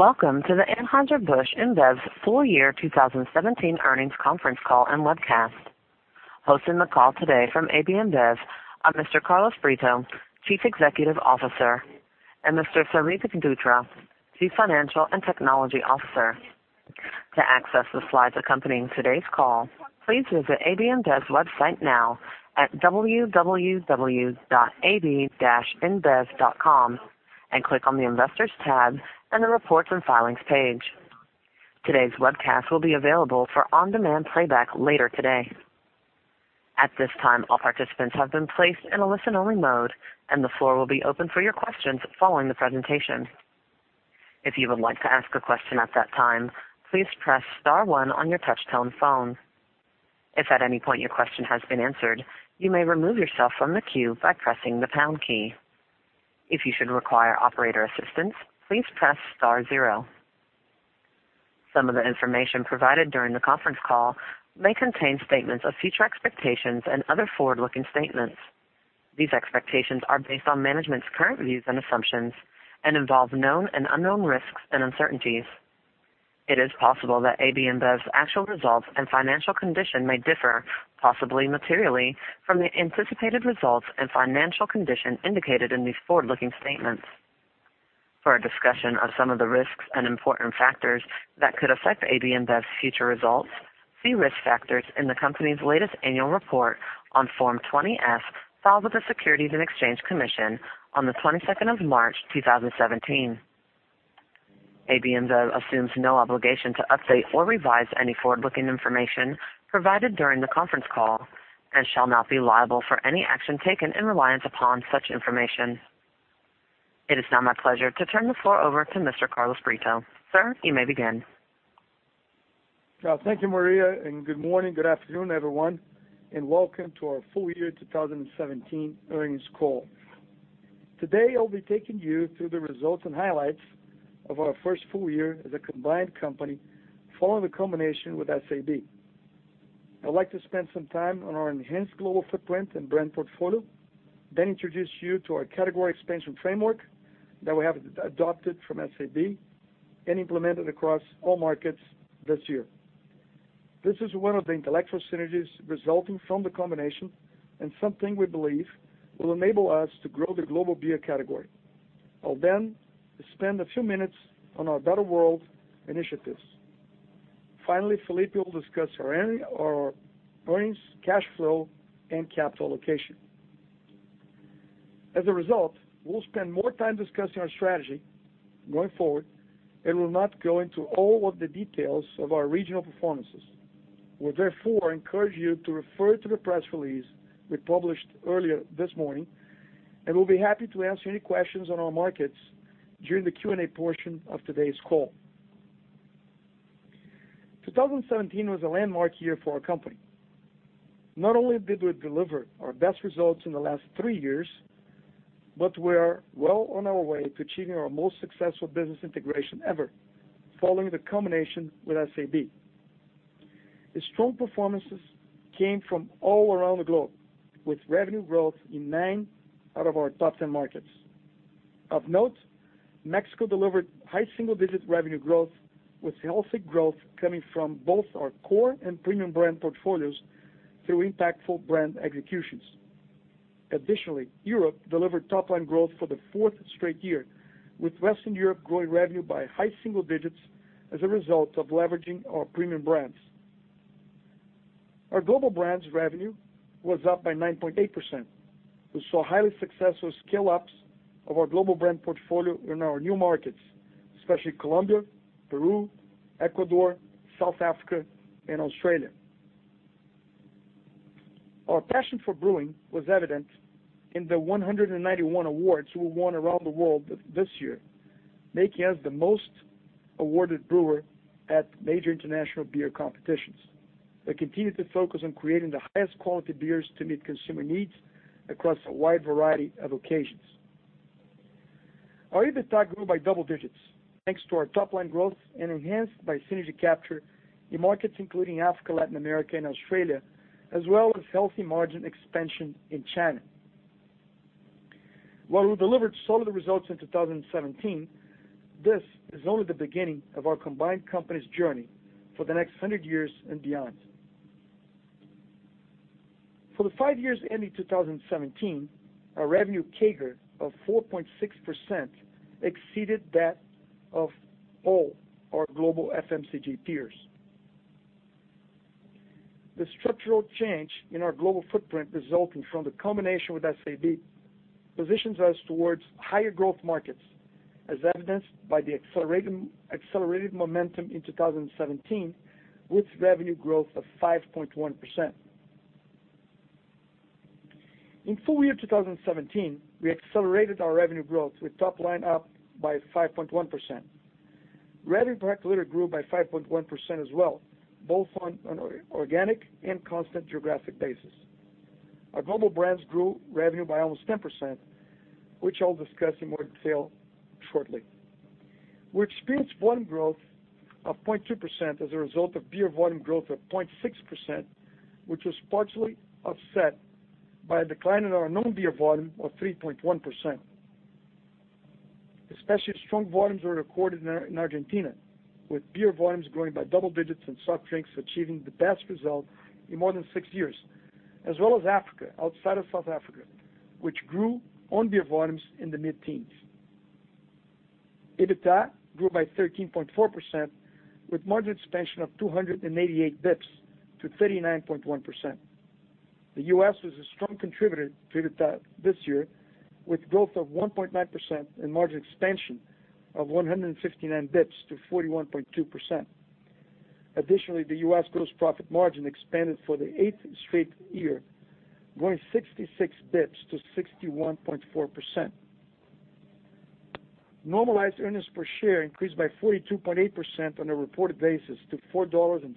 Welcome to the Anheuser-Busch InBev's Full Year 2017 Earnings Conference Call and Webcast. Hosting the call today from AB InBev are Mr. Carlos Brito, Chief Executive Officer, and Mr. Felipe Dutra, Chief Financial and Technology Officer. To access the slides accompanying today's call, please visit AB InBev's website now at www.ab-inbev.com and click on the investors tab and the reports and filings page. Today's webcast will be available for on-demand playback later today. At this time, all participants have been placed in a listen-only mode, and the floor will be open for your questions following the presentation. If you would like to ask a question at that time, please press star one on your touch-tone phone. If at any point your question has been answered, you may remove yourself from the queue by pressing the pound key. If you should require operator assistance, please press star zero. Some of the information provided during the conference call may contain statements of future expectations and other forward-looking statements. These expectations are based on management's current views and assumptions and involve known and unknown risks and uncertainties. It is possible that AB InBev's actual results and financial condition may differ, possibly materially, from the anticipated results and financial condition indicated in these forward-looking statements. For a discussion of some of the risks and important factors that could affect AB InBev's future results, see risk factors in the company's latest annual report on Form 20-F filed with the Securities and Exchange Commission on the twenty-second of March 2017. AB InBev assumes no obligation to update or revise any forward-looking information provided during the conference call and shall not be liable for any action taken in reliance upon such information. It is now my pleasure to turn the floor over to Mr. Carlos Brito. Sir, you may begin. Thank you, Maria. Good morning, good afternoon, everyone, and welcome to our full year 2017 earnings call. Today, I'll be taking you through the results and highlights of our first full year as a combined company following the combination with SABMiller. I'd like to spend some time on our enhanced global footprint and brand portfolio, then introduce you to our category expansion framework that we have adopted from SABMiller and implemented across all markets this year. This is one of the intellectual synergies resulting from the combination and something we believe will enable us to grow the global beer category. I'll then spend a few minutes on our better world initiatives. Finally, Felipe will discuss our earnings, cash flow, and capital allocation. As a result, we'll spend more time discussing our strategy going forward and will not go into all of the details of our regional performances. We therefore encourage you to refer to the press release we published earlier this morning. We'll be happy to answer any questions on our markets during the Q&A portion of today's call. 2017 was a landmark year for our company. Not only did we deliver our best results in the last three years, but we are well on our way to achieving our most successful business integration ever following the combination with SABMiller. The strong performances came from all around the globe, with revenue growth in 9 out of our top 10 markets. Of note, Mexico delivered high single-digit revenue growth, with healthy growth coming from both our core and premium brand portfolios through impactful brand executions. Europe delivered top-line growth for the fourth straight year, with Western Europe growing revenue by high single digits as a result of leveraging our premium brands. Our global brands revenue was up by 9.8%. We saw highly successful scale-ups of our global brand portfolio in our new markets, especially Colombia, Peru, Ecuador, South Africa, and Australia. Our passion for brewing was evident in the 191 awards we won around the world this year, making us the most awarded brewer at major international beer competitions. We continue to focus on creating the highest quality beers to meet consumer needs across a wide variety of occasions. Our EBITDA grew by double digits, thanks to our top-line growth and enhanced by synergy capture in markets including Africa, Latin America, and Australia, as well as healthy margin expansion in China. We delivered solid results in 2017. This is only the beginning of our combined company's journey for the next 100 years and beyond. For the 5 years ending 2017, our revenue CAGR of 4.6% exceeded that of all our global FMCG peers. The structural change in our global footprint resulting from the combination with SABMiller positions us towards higher growth markets, as evidenced by the accelerated momentum in 2017, with revenue growth of 5.1%. In full year 2017, we accelerated our revenue growth with top line up by 5.1%. Revenue per hectoliter grew by 5.1% as well, both on an organic and constant geographic basis. Our global brands grew revenue by almost 10%, which I'll discuss in more detail shortly. We experienced volume growth of 0.2% as a result of beer volume growth of 0.6%, which was partially offset by a decline in our non-beer volume of 3.1%. Especially strong volumes were recorded in Argentina, with beer volumes growing by double digits and soft drinks achieving the best result in more than six years, as well as Africa, outside of South Africa, which grew on beer volumes in the mid-teens. EBITDA grew by 13.4%, with margin expansion of 288 basis points to 39.1%. The U.S. was a strong contributor to EBITDA this year, with growth of 1.9% and margin expansion of 159 basis points to 41.2%. The U.S. gross profit margin expanded for the eighth straight year, growing 66 basis points to 61.4%. Normalized earnings per share increased by 42.8% on a reported basis to $4.04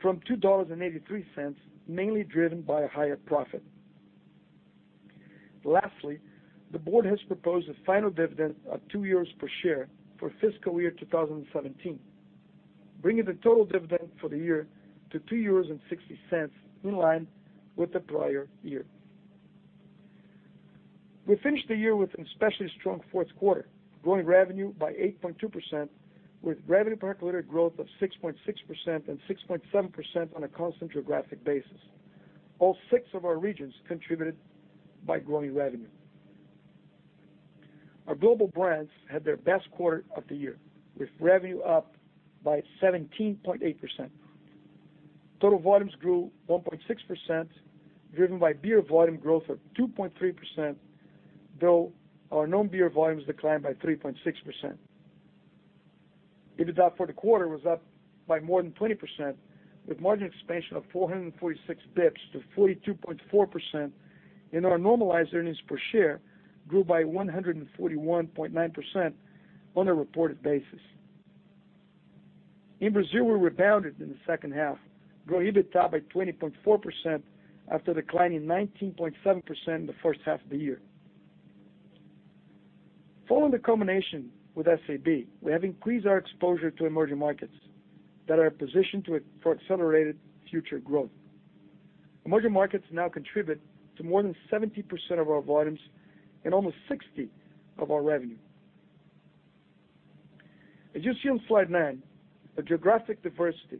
from $2.83, mainly driven by a higher profit. The board has proposed a final dividend of 2 euros per share for fiscal year 2017, bringing the total dividend for the year to 3.60 euros, in line with the prior year. We finished the year with an especially strong fourth quarter, growing revenue by 8.2%, with revenue per hectolitre growth of 6.6% and 6.7% on a constant geographic basis. All six of our regions contributed by growing revenue. Our global brands had their best quarter of the year, with revenue up by 17.8%. Total volumes grew 1.6%, driven by beer volume growth of 2.3%, though our non-beer volumes declined by 3.6%. EBITDA for the quarter was up by more than 20%, with margin expansion of 446 basis points to 42.4%, and our normalized earnings per share grew by 141.9% on a reported basis. In Brazil, we rebounded in the second half, growing EBITDA by 20.4% after declining 19.7% in the first half of the year. Following the combination with SABMiller, we have increased our exposure to emerging markets that are positioned for accelerated future growth. Emerging markets now contribute to more than 70% of our volumes and almost 60% of our revenue. As you see on slide nine, a geographic diversity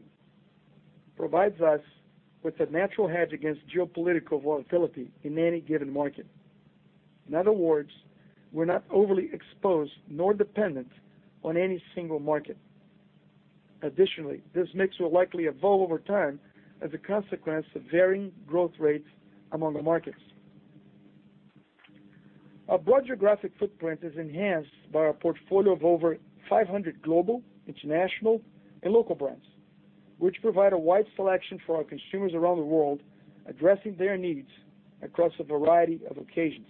provides us with a natural hedge against geopolitical volatility in any given market. In other words, we're not overly exposed nor dependent on any single market. Additionally, this mix will likely evolve over time as a consequence of varying growth rates among the markets. Our broad geographic footprint is enhanced by our portfolio of over 500 global, international, and local brands, which provide a wide selection for our consumers around the world, addressing their needs across a variety of occasions.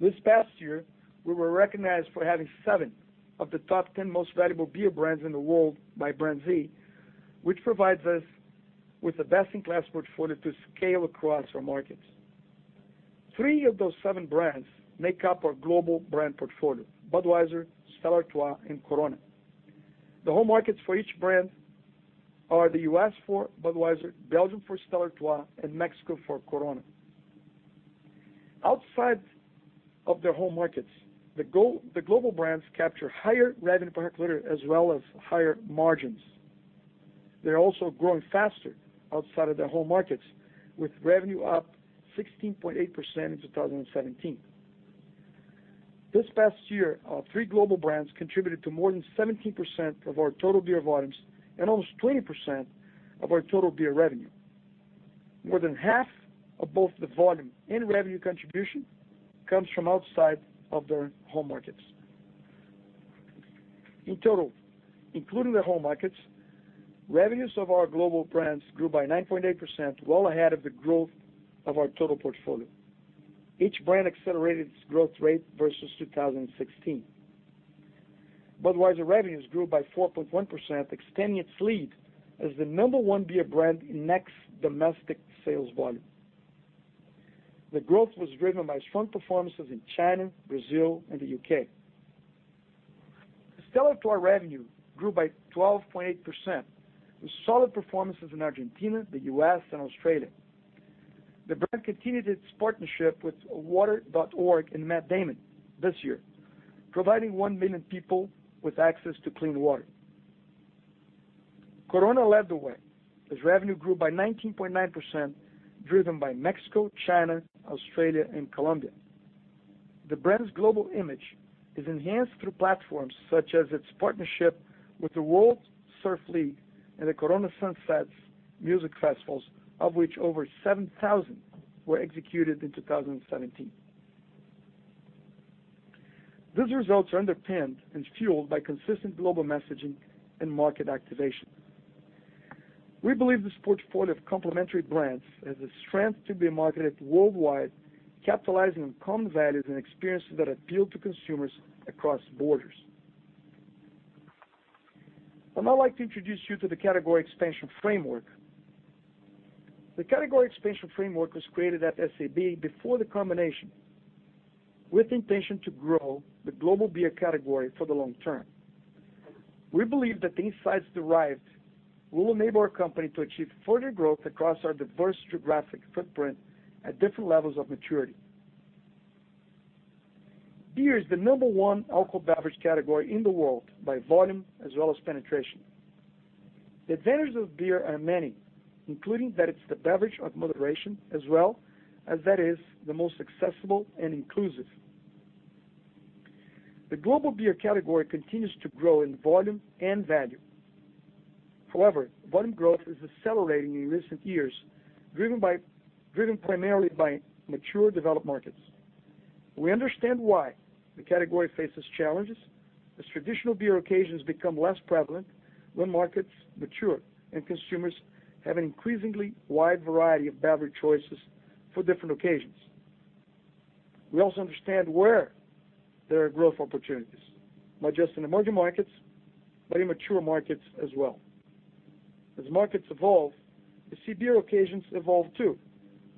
This past year, we were recognized for having seven of the top ten most valuable beer brands in the world by BrandZ, which provides us with a best-in-class portfolio to scale across our markets. Three of those seven brands make up our global brand portfolio, Budweiser, Stella Artois, and Corona. The home markets for each brand are the U.S. for Budweiser, Belgium for Stella Artois, and Mexico for Corona. Outside of their home markets, the global brands capture higher revenue per hectolitre as well as higher margins. They're also growing faster outside of their home markets, with revenue up 16.8% in 2017. This past year, our three global brands contributed to more than 17% of our total beer volumes and almost 20% of our total beer revenue. More than half of both the volume and revenue contribution comes from outside of their home markets. In total, including the home markets, revenues of our global brands grew by 9.8%, well ahead of the growth of our total portfolio. Each brand accelerated its growth rate versus 2016. Budweiser revenues grew by 4.1%, extending its lead as the number one beer brand in next domestic sales volume. The growth was driven by strong performances in China, Brazil, and the U.K. Stella Artois revenue grew by 12.8% with solid performances in Argentina, the U.S., and Australia. The brand continued its partnership with Water.org and Matt Damon this year, providing one million people with access to clean water. Corona led the way as revenue grew by 19.9%, driven by Mexico, China, Australia, and Colombia. The brand's global image is enhanced through platforms such as its partnership with the World Surf League and the Corona Sunsets music festivals, of which over 7,000 were executed in 2017. These results are underpinned and fueled by consistent global messaging and market activation. We believe this portfolio of complementary brands has the strength to be marketed worldwide, capitalizing on common values and experiences that appeal to consumers across borders. I'd now like to introduce you to the category expansion framework. The category expansion framework was created at SABMiller before the combination, with intention to grow the global beer category for the long term. We believe that the insights derived will enable our company to achieve further growth across our diverse geographic footprint at different levels of maturity. Beer is the number one alcohol beverage category in the world by volume as well as penetration. The advantages of beer are many, including that it's the beverage of moderation as well as that it is the most accessible and inclusive. The global beer category continues to grow in volume and value. However, volume growth is accelerating in recent years, driven primarily by mature developed markets. We understand why the category faces challenges, as traditional beer occasions become less prevalent when markets mature and consumers have an increasingly wide variety of beverage choices for different occasions. We also understand where there are growth opportunities, not just in emerging markets, but in mature markets as well. As markets evolve, we see beer occasions evolve too,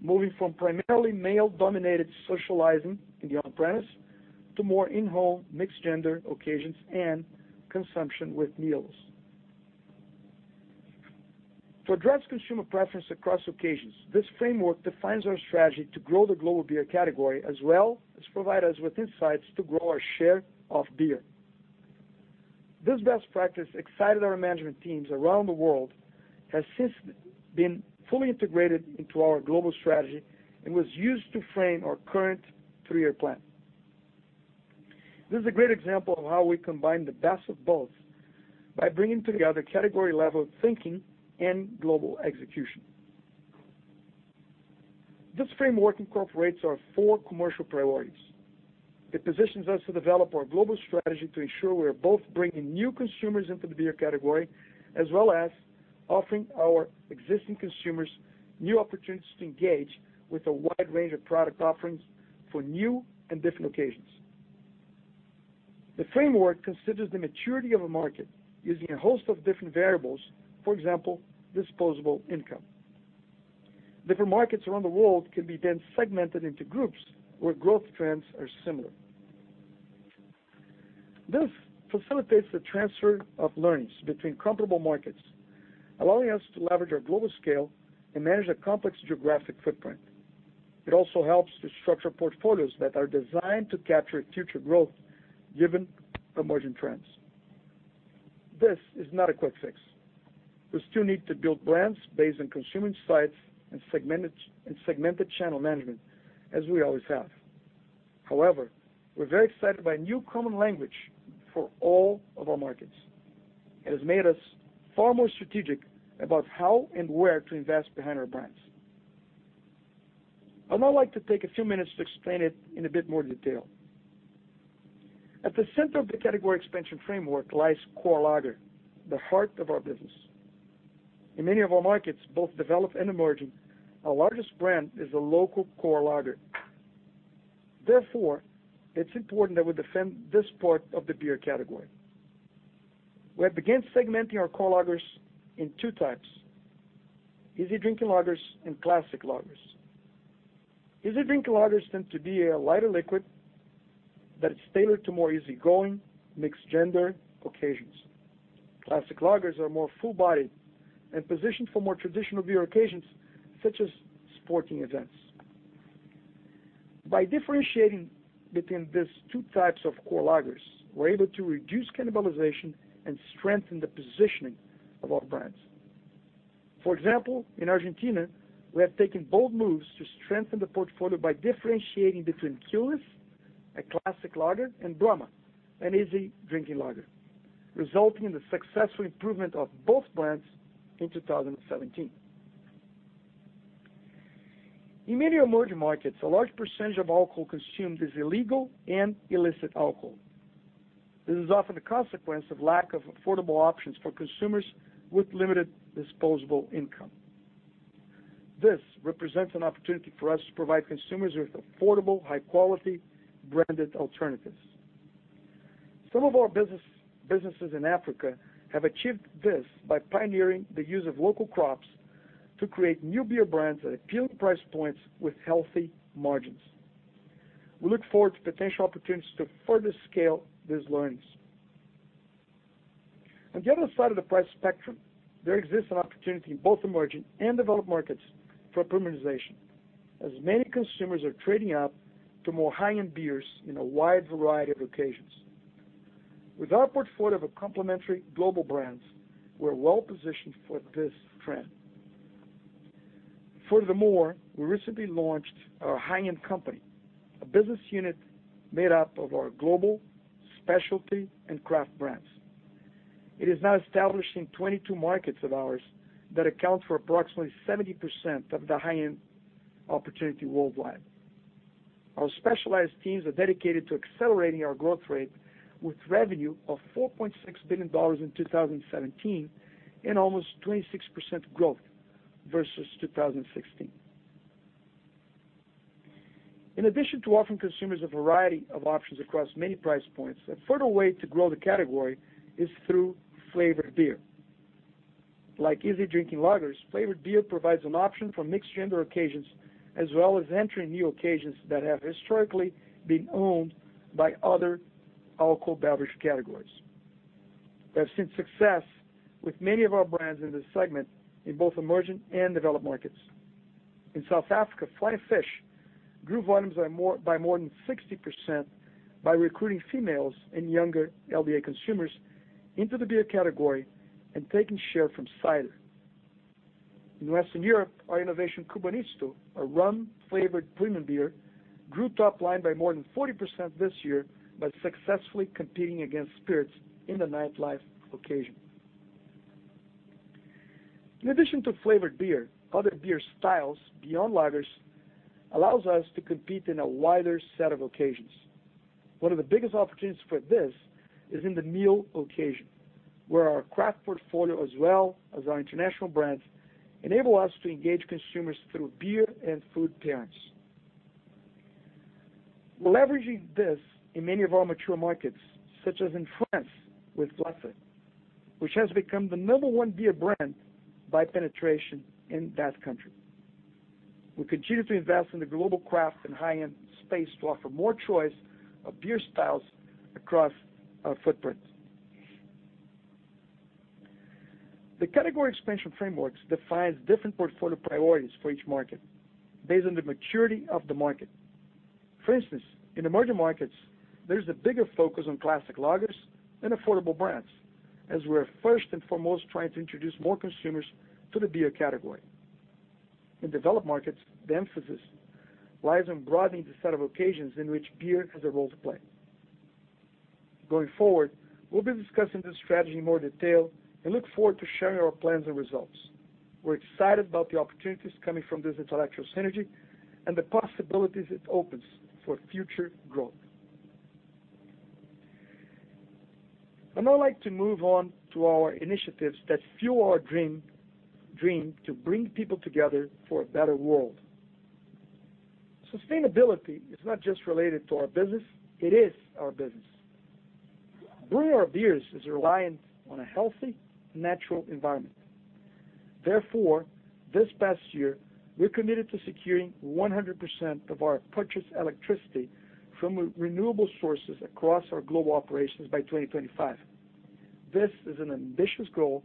moving from primarily male-dominated socializing in the on-premise to more in-home, mixed-gender occasions and consumption with meals. To address consumer preference across occasions, this framework defines our strategy to grow the global beer category as well as provide us with insights to grow our share of beer. This best practice excited our management teams around the world, has since been fully integrated into our global strategy, and was used to frame our current three-year plan. This is a great example of how we combine the best of both by bringing together category-level thinking and global execution. This framework incorporates our four commercial priorities. It positions us to develop our global strategy to ensure we are both bringing new consumers into the beer category, as well as offering our existing consumers new opportunities to engage with a wide range of product offerings for new and different occasions. The framework considers the maturity of a market using a host of different variables, for example, disposable income. Different markets around the world can be then segmented into groups where growth trends are similar. This facilitates the transfer of learnings between comparable markets, allowing us to leverage our global scale and manage a complex geographic footprint. It also helps to structure portfolios that are designed to capture future growth given emerging trends. This is not a quick fix. We still need to build brands based on consumer insights and segmented channel management as we always have. However, we're very excited by a new common language for all of our markets. It has made us far more strategic about how and where to invest behind our brands. I'd now like to take a few minutes to explain it in a bit more detail. At the center of the category expansion framework lies core lager, the heart of our business. In many of our markets, both developed and emerging, our largest brand is the local core lager. Therefore, it's important that we defend this part of the beer category. We have begun segmenting our core lagers into two types, easy-drinking lagers and classic lagers. Easy-drinking lagers tend to be a lighter liquid that is tailored to more easygoing, mixed-gender occasions. Classic lagers are more full-bodied and positioned for more traditional beer occasions, such as sporting events. By differentiating between these two types of core lagers, we are able to reduce cannibalization and strengthen the positioning of our brands. For example, in Argentina, we have taken bold moves to strengthen the portfolio by differentiating between Quilmes, a classic lager, and Brahma, an easy-drinking lager, resulting in the successful improvement of both brands in 2017. In many emerging markets, a large percentage of alcohol consumed is illegal and illicit alcohol. This is often the consequence of lack of affordable options for consumers with limited disposable income. This represents an opportunity for us to provide consumers with affordable, high-quality, branded alternatives. Some of our businesses in Africa have achieved this by pioneering the use of local crops to create new beer brands at appealing price points with healthy margins. We look forward to potential opportunities to further scale these learnings. On the other side of the price spectrum, there exists an opportunity in both emerging and developed markets for premiumization, as many consumers are trading up to more high-end beers in a wide variety of occasions. With our portfolio of complementary global brands, we are well-positioned for this trend. Furthermore, we recently launched our high-end company, a business unit made up of our global, specialty, and craft brands. It is now established in 22 markets of ours that account for approximately 70% of the high-end opportunity worldwide. Our specialized teams are dedicated to accelerating our growth rate with revenue of EUR 4.6 billion in 2017 and almost 26% growth versus 2016. In addition to offering consumers a variety of options across many price points, a further way to grow the category is through flavored beer. Like easy drinking lagers, flavored beer provides an option for mixed gender occasions, as well as entering new occasions that have historically been owned by other alcohol beverage categories. We have seen success with many of our brands in this segment in both emergent and developed markets. In South Africa, Flying Fish grew volumes by more than 60% by recruiting females and younger LBA consumers into the beer category and taking share from cider. In Western Europe, our innovation Cubanisto, a rum-flavored premium beer, grew top line by more than 40% this year by successfully competing against spirits in the nightlife occasion. In addition to flavored beer, other beer styles beyond lagers allows us to compete in a wider set of occasions. One of the biggest opportunities for this is in the meal occasion, where our craft portfolio as well as our international brands enable us to engage consumers through beer and food pairings. Leveraging this in many of our mature markets, such as in France with Leffe, which has become the number one beer brand by penetration in that country. We continue to invest in the global craft and high-end space to offer more choice of beer styles across our footprint. The category expansion frameworks defines different portfolio priorities for each market based on the maturity of the market. For instance, in emerging markets, there is a bigger focus on classic lagers and affordable brands, as we are first and foremost trying to introduce more consumers to the beer category. In developed markets, the emphasis lies on broadening the set of occasions in which beer has a role to play. Going forward, we'll be discussing this strategy in more detail and look forward to sharing our plans and results. We're excited about the opportunities coming from this intellectual synergy and the possibilities it opens for future growth. I'd now like to move on to our initiatives that fuel our dream to bring people together for a better world. Sustainability is not just related to our business, it is our business. Brewing our beers is reliant on a healthy, natural environment. Therefore, this past year, we're committed to securing 100% of our purchased electricity from renewable sources across our global operations by 2025. This is an ambitious goal,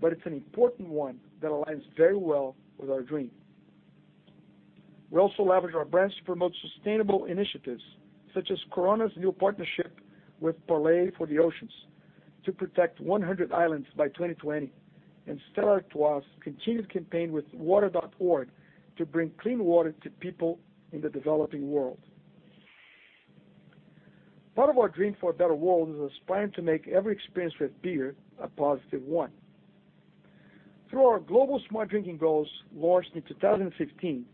but it's an important one that aligns very well with our dream. We also leverage our brands to promote sustainable initiatives, such as Corona's new partnership with Parley for the Oceans to protect 100 islands by 2020, and Stella Artois continued campaign with Water.org to bring clean water to people in the developing world. Part of our dream for a better world is aspiring to make every experience with beer a positive one. Through our global smart drinking goals launched in 2015,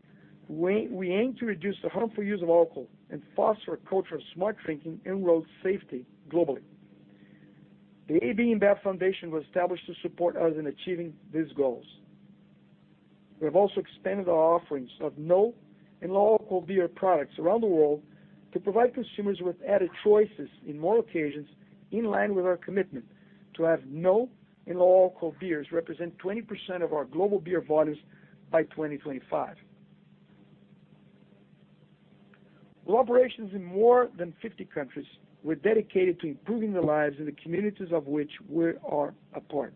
we aim to reduce the harmful use of alcohol and foster a culture of smart drinking and road safety globally. The AB InBev Foundation was established to support us in achieving these goals. We have also expanded our offerings of no and low alcohol beer products around the world to provide consumers with added choices in more occasions, in line with our commitment to have no and low alcohol beers represent 20% of our global beer volumes by 2025. With operations in more than 50 countries, we're dedicated to improving the lives of the communities of which we are a part,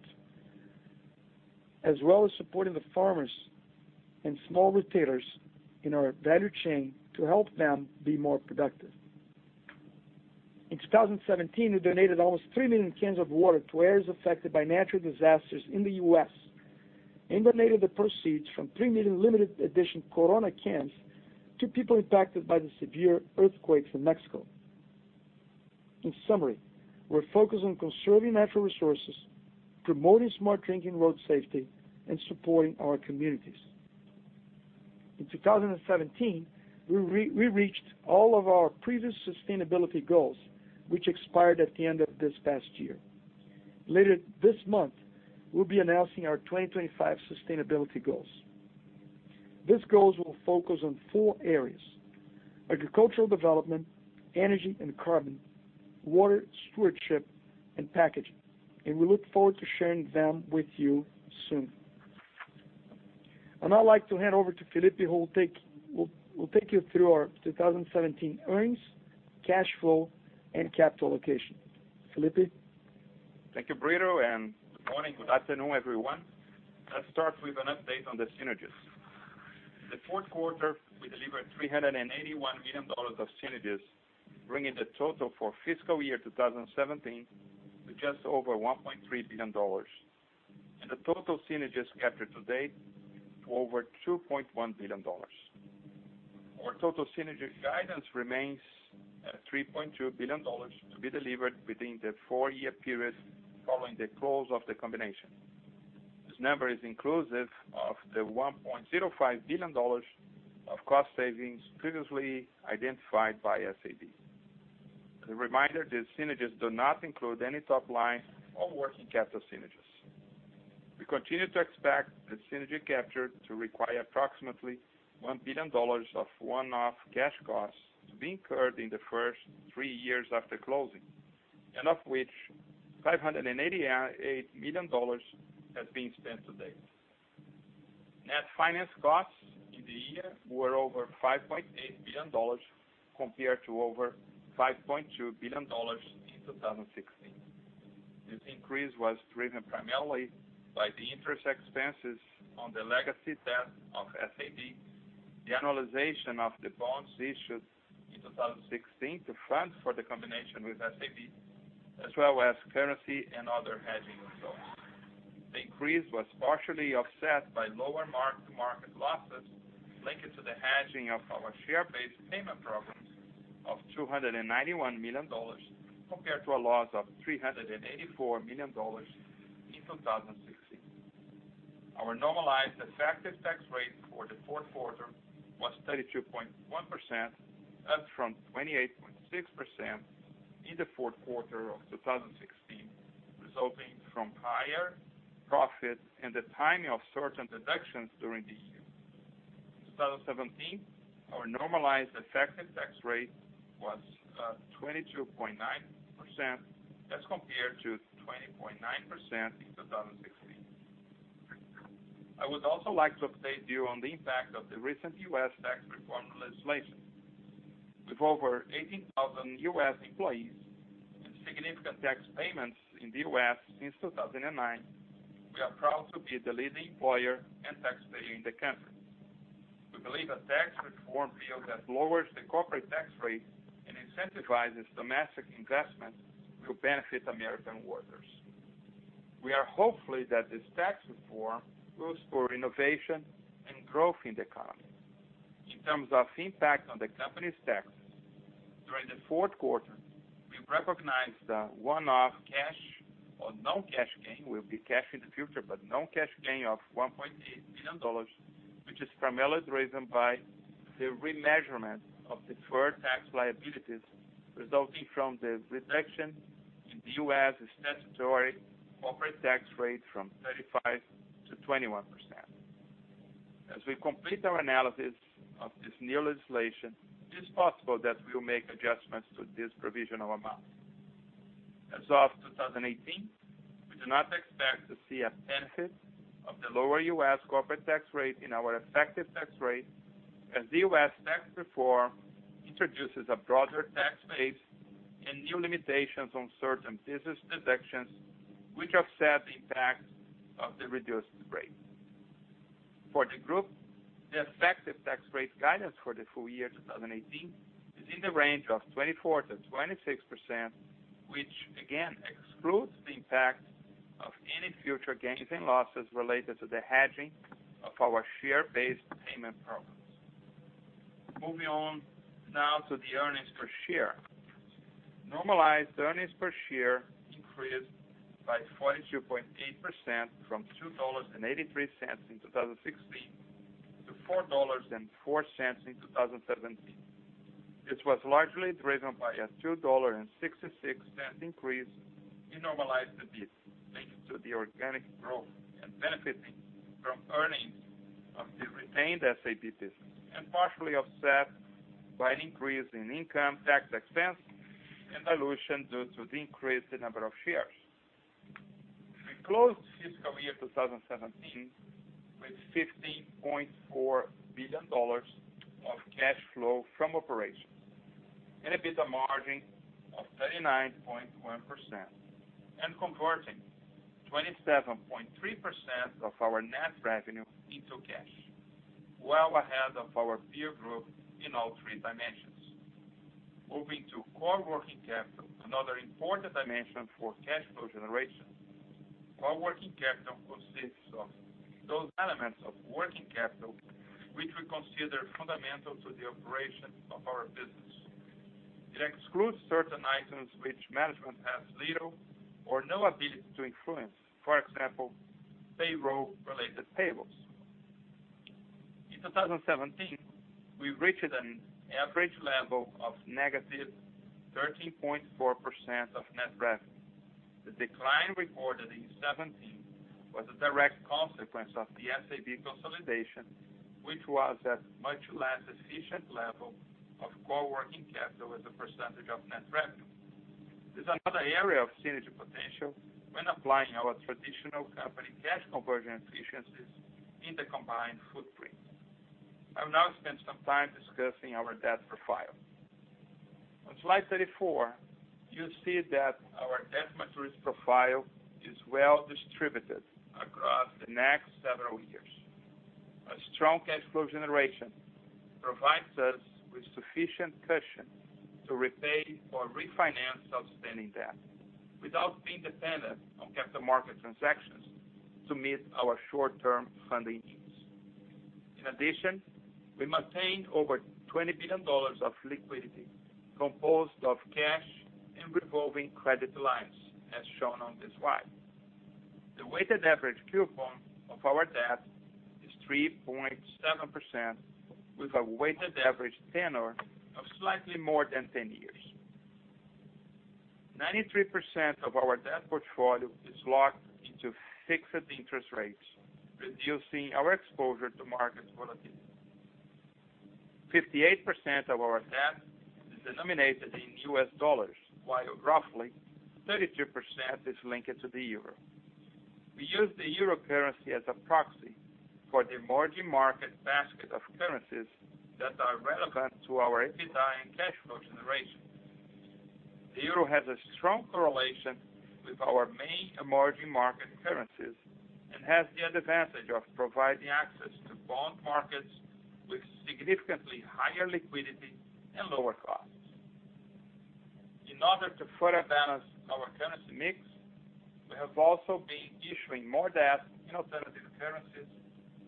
as well as supporting the farmers and small retailers in our value chain to help them be more productive. In 2017, we donated almost 3 million cans of water to areas affected by natural disasters in the U.S. and donated the proceeds from 3 million limited edition Corona cans to people impacted by the severe earthquakes in Mexico. In summary, we're focused on conserving natural resources, promoting smart drinking road safety, and supporting our communities. In 2017, we reached all of our previous sustainability goals, which expired at the end of this past year. Later this month, we'll be announcing our 2025 sustainability goals. These goals will focus on four areas, agricultural development, energy and carbon, water stewardship, and packaging, and we look forward to sharing them with you soon. I'd now like to hand over to Felipe, who will take you through our 2017 earnings, cash flow, and capital allocation. Felipe? Thank you, Brito, good morning, good afternoon, everyone. Let's start with an update on the synergies. In the fourth quarter, we delivered $381 million of synergies, bringing the total for fiscal year 2017 to just over $1.3 billion, and the total synergies captured to date to over $2.1 billion. Our total synergy guidance remains at $3.2 billion to be delivered within the four-year period following the close of the combination. This number is inclusive of the $1.05 billion of cost savings previously identified by SABMiller. As a reminder, these synergies do not include any top line or working capital synergies. We continue to expect the synergy captured to require approximately $1 billion of one-off cash costs to be incurred in the first three years after closing. Of which $588 million has been spent to date. Net finance costs in the year were over $5.8 billion compared to over $5.2 billion in 2016. This increase was driven primarily by the interest expenses on the legacy debt of SABMiller, the annualization of the bonds issued in 2016 to fund for the combination with SABMiller, as well as currency and other hedging results. The increase was partially offset by lower mark-to-market losses linked to the hedging of our share-based payment programs of $291 million, compared to a loss of $384 million in 2016. Our normalized effective tax rate for the fourth quarter was 32.1%, up from 28.6% in the fourth quarter of 2016, resulting from higher profit and the timing of certain deductions during the year. In 2017, our normalized effective tax rate was 22.9% as compared to 20.9% in 2016. I would also like to update you on the impact of the recent U.S. tax reform legislation. With over 18,000 U.S. employees and significant tax payments in the U.S. since 2009, we are proud to be the leading employer and taxpayer in the country. We believe a tax reform bill that lowers the corporate tax rate and incentivizes domestic investment will benefit American workers. We are hopeful that this tax reform boosts for innovation and growth in the economy. In terms of impact on the company's taxes, during the fourth quarter, we recognized a one-off cash or non-cash gain, will be cash in the future, but non-cash gain of $1.8 billion, which is primarily driven by the remeasurement of deferred tax liabilities resulting from the reduction in the U.S. statutory corporate tax rate from 35% to 21%. As we complete our analysis of this new legislation, it is possible that we will make adjustments to this provisional amount. As of 2018, we do not expect to see a benefit of the lower U.S. corporate tax rate in our effective tax rate, as the U.S. tax reform introduces a broader tax base and new limitations on certain business deductions, which offset the impact of the reduced rate. For the group, the effective tax rate guidance for the full year 2018 is in the range of 24%-26%, which again excludes the impact of any future gains and losses related to the hedging of our share-based payment programs. Moving on now to the earnings per share. Normalized earnings per share increased by 42.8% from $2.83 in 2016 to $4.04 in 2017. This was largely driven by a $2.66 increase in normalized EBIT linked to the organic growth and benefiting from earnings of the retained SABMiller business, partially offset by an increase in income tax expense and dilution due to the increased number of shares. We closed fiscal year 2017 with $15.4 billion of cash flow from operations and an EBITDA margin of 39.1%, converting 27.3% of our net revenue into cash, well ahead of our peer group in all three dimensions. Moving to core working capital, another important dimension for cash flow generation. Core working capital consists of those elements of working capital, which we consider fundamental to the operation of our business. It excludes certain items which management has little or no ability to influence. For example, payroll-related payables. In 2017, we reached an average level of negative 13.4% of net revenue. The decline reported in 2017 was a direct consequence of the SABMiller consolidation, which was at much less efficient level of core working capital as a percentage of net revenue. This is another area of synergy potential when applying our traditional company cash conversion efficiencies in the combined footprint. I will now spend some time discussing our debt profile. On slide 34, you see that our debt matures profile is well distributed across the next several years. A strong cash flow generation provides us with sufficient cushion to repay or refinance outstanding debt without being dependent on capital market transactions to meet our short-term funding needs. In addition, we maintained over $20 billion of liquidity composed of cash and revolving credit lines, as shown on this slide. The weighted average coupon of our debt is 3.7%, with a weighted average tenor of slightly more than 10 years. 93% of our debt portfolio is locked into fixed interest rates, reducing our exposure to market volatility. 58% of our debt is denominated in US dollars, while roughly 32% is linked to the euro. We use the euro currency as a proxy for the emerging market basket of currencies that are relevant to our EBITDA and cash flow generation. The euro has a strong correlation with our main emerging market currencies and has the advantage of providing access to bond markets with significantly higher liquidity and lower costs. In order to further balance our currency mix, we have also been issuing more debt in alternative currencies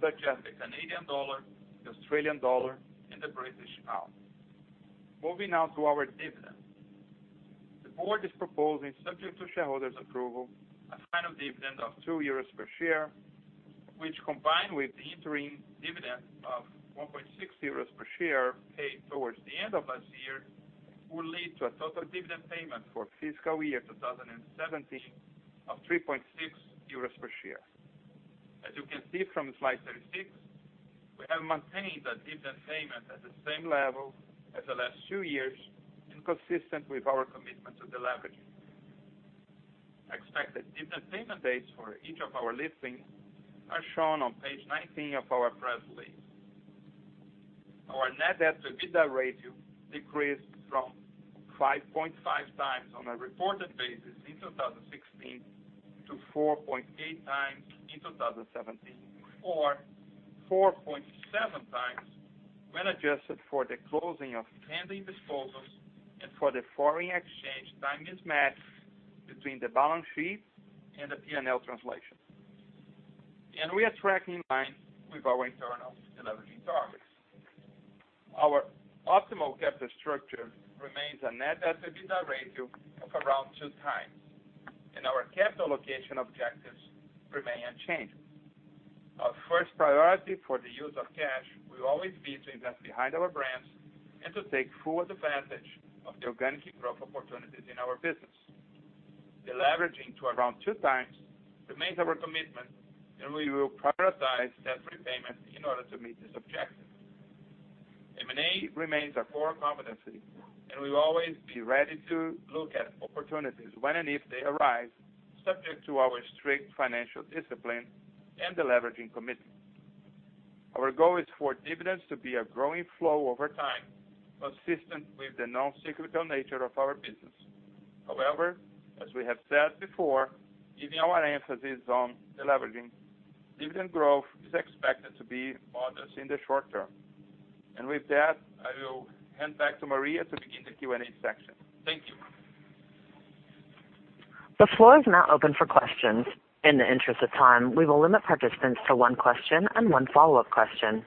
such as the Canadian dollar, the Australian dollar, and the British pound. Moving now to our dividend. The board is proposing, subject to shareholders' approval, a final dividend of €2 per share, which combined with the interim dividend of €1.6 per share paid towards the end of last year, will lead to a total dividend payment for fiscal year 2017 of €3.6 per share. As you can see from slide 36, we are maintaining the dividend payment at the same level as the last two years and consistent with our commitment to deleveraging. Expected dividend payment dates for each of our listings are shown on page 19 of our press release. Our net debt-to-EBITDA ratio decreased from 5.5 times on a reported basis in 2016 to 4.8 times in 2017 or 4.7 times when adjusted for the closing of pending disposals and for the foreign exchange time mismatch between the balance sheet and the P&L translation. We are tracking in line with our internal deleveraging targets. Our optimal capital structure remains a net-debt-to-EBITDA ratio of around two times, and our capital allocation objectives remain unchanged. Our first priority for the use of cash will always be to invest behind our brands and to take full advantage of the organic growth opportunities in our business. Deleveraging to around two times remains our commitment, and we will prioritize debt repayment in order to meet this objective. M&A remains a core competency, and we will always be ready to look at opportunities when and if they arise, subject to our strict financial discipline and deleveraging commitment. Our goal is for dividends to be a growing flow over time, consistent with the non-cyclical nature of our business. However, as we have said before, given our emphasis on deleveraging, dividend growth is expected to be modest in the short term. With that, I will hand back to Maria to begin the Q&A section. Thank you. The floor is now open for questions. In the interest of time, we will limit participants to one question and one follow-up question.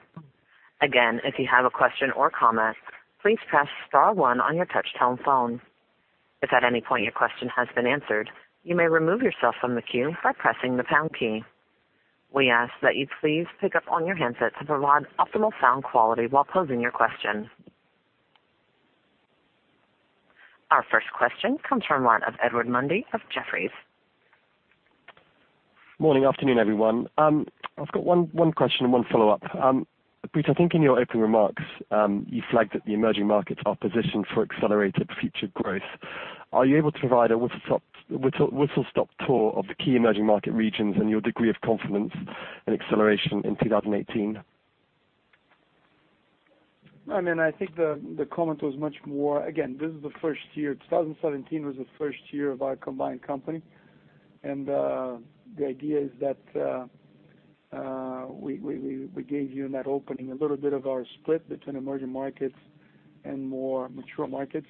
Again, if you have a question or comment, please press *1 on your touch-tone phone. If at any point your question has been answered, you may remove yourself from the queue by pressing the # key. We ask that you please pick up on your handsets to provide optimal sound quality while posing your question. Our first question comes from Edward Mundy of Jefferies. Morning, afternoon, everyone. I've got one question and one follow-up. Brito, I think in your opening remarks, you flagged that the emerging markets are positioned for accelerated future growth. Are you able to provide a whistle-stop tour of the key emerging market regions and your degree of confidence and acceleration in 2018? I think the comment was much more. 2017 was the first year of our combined company. The idea is that we gave you in that opening a little bit of our split between emerging markets and more mature markets.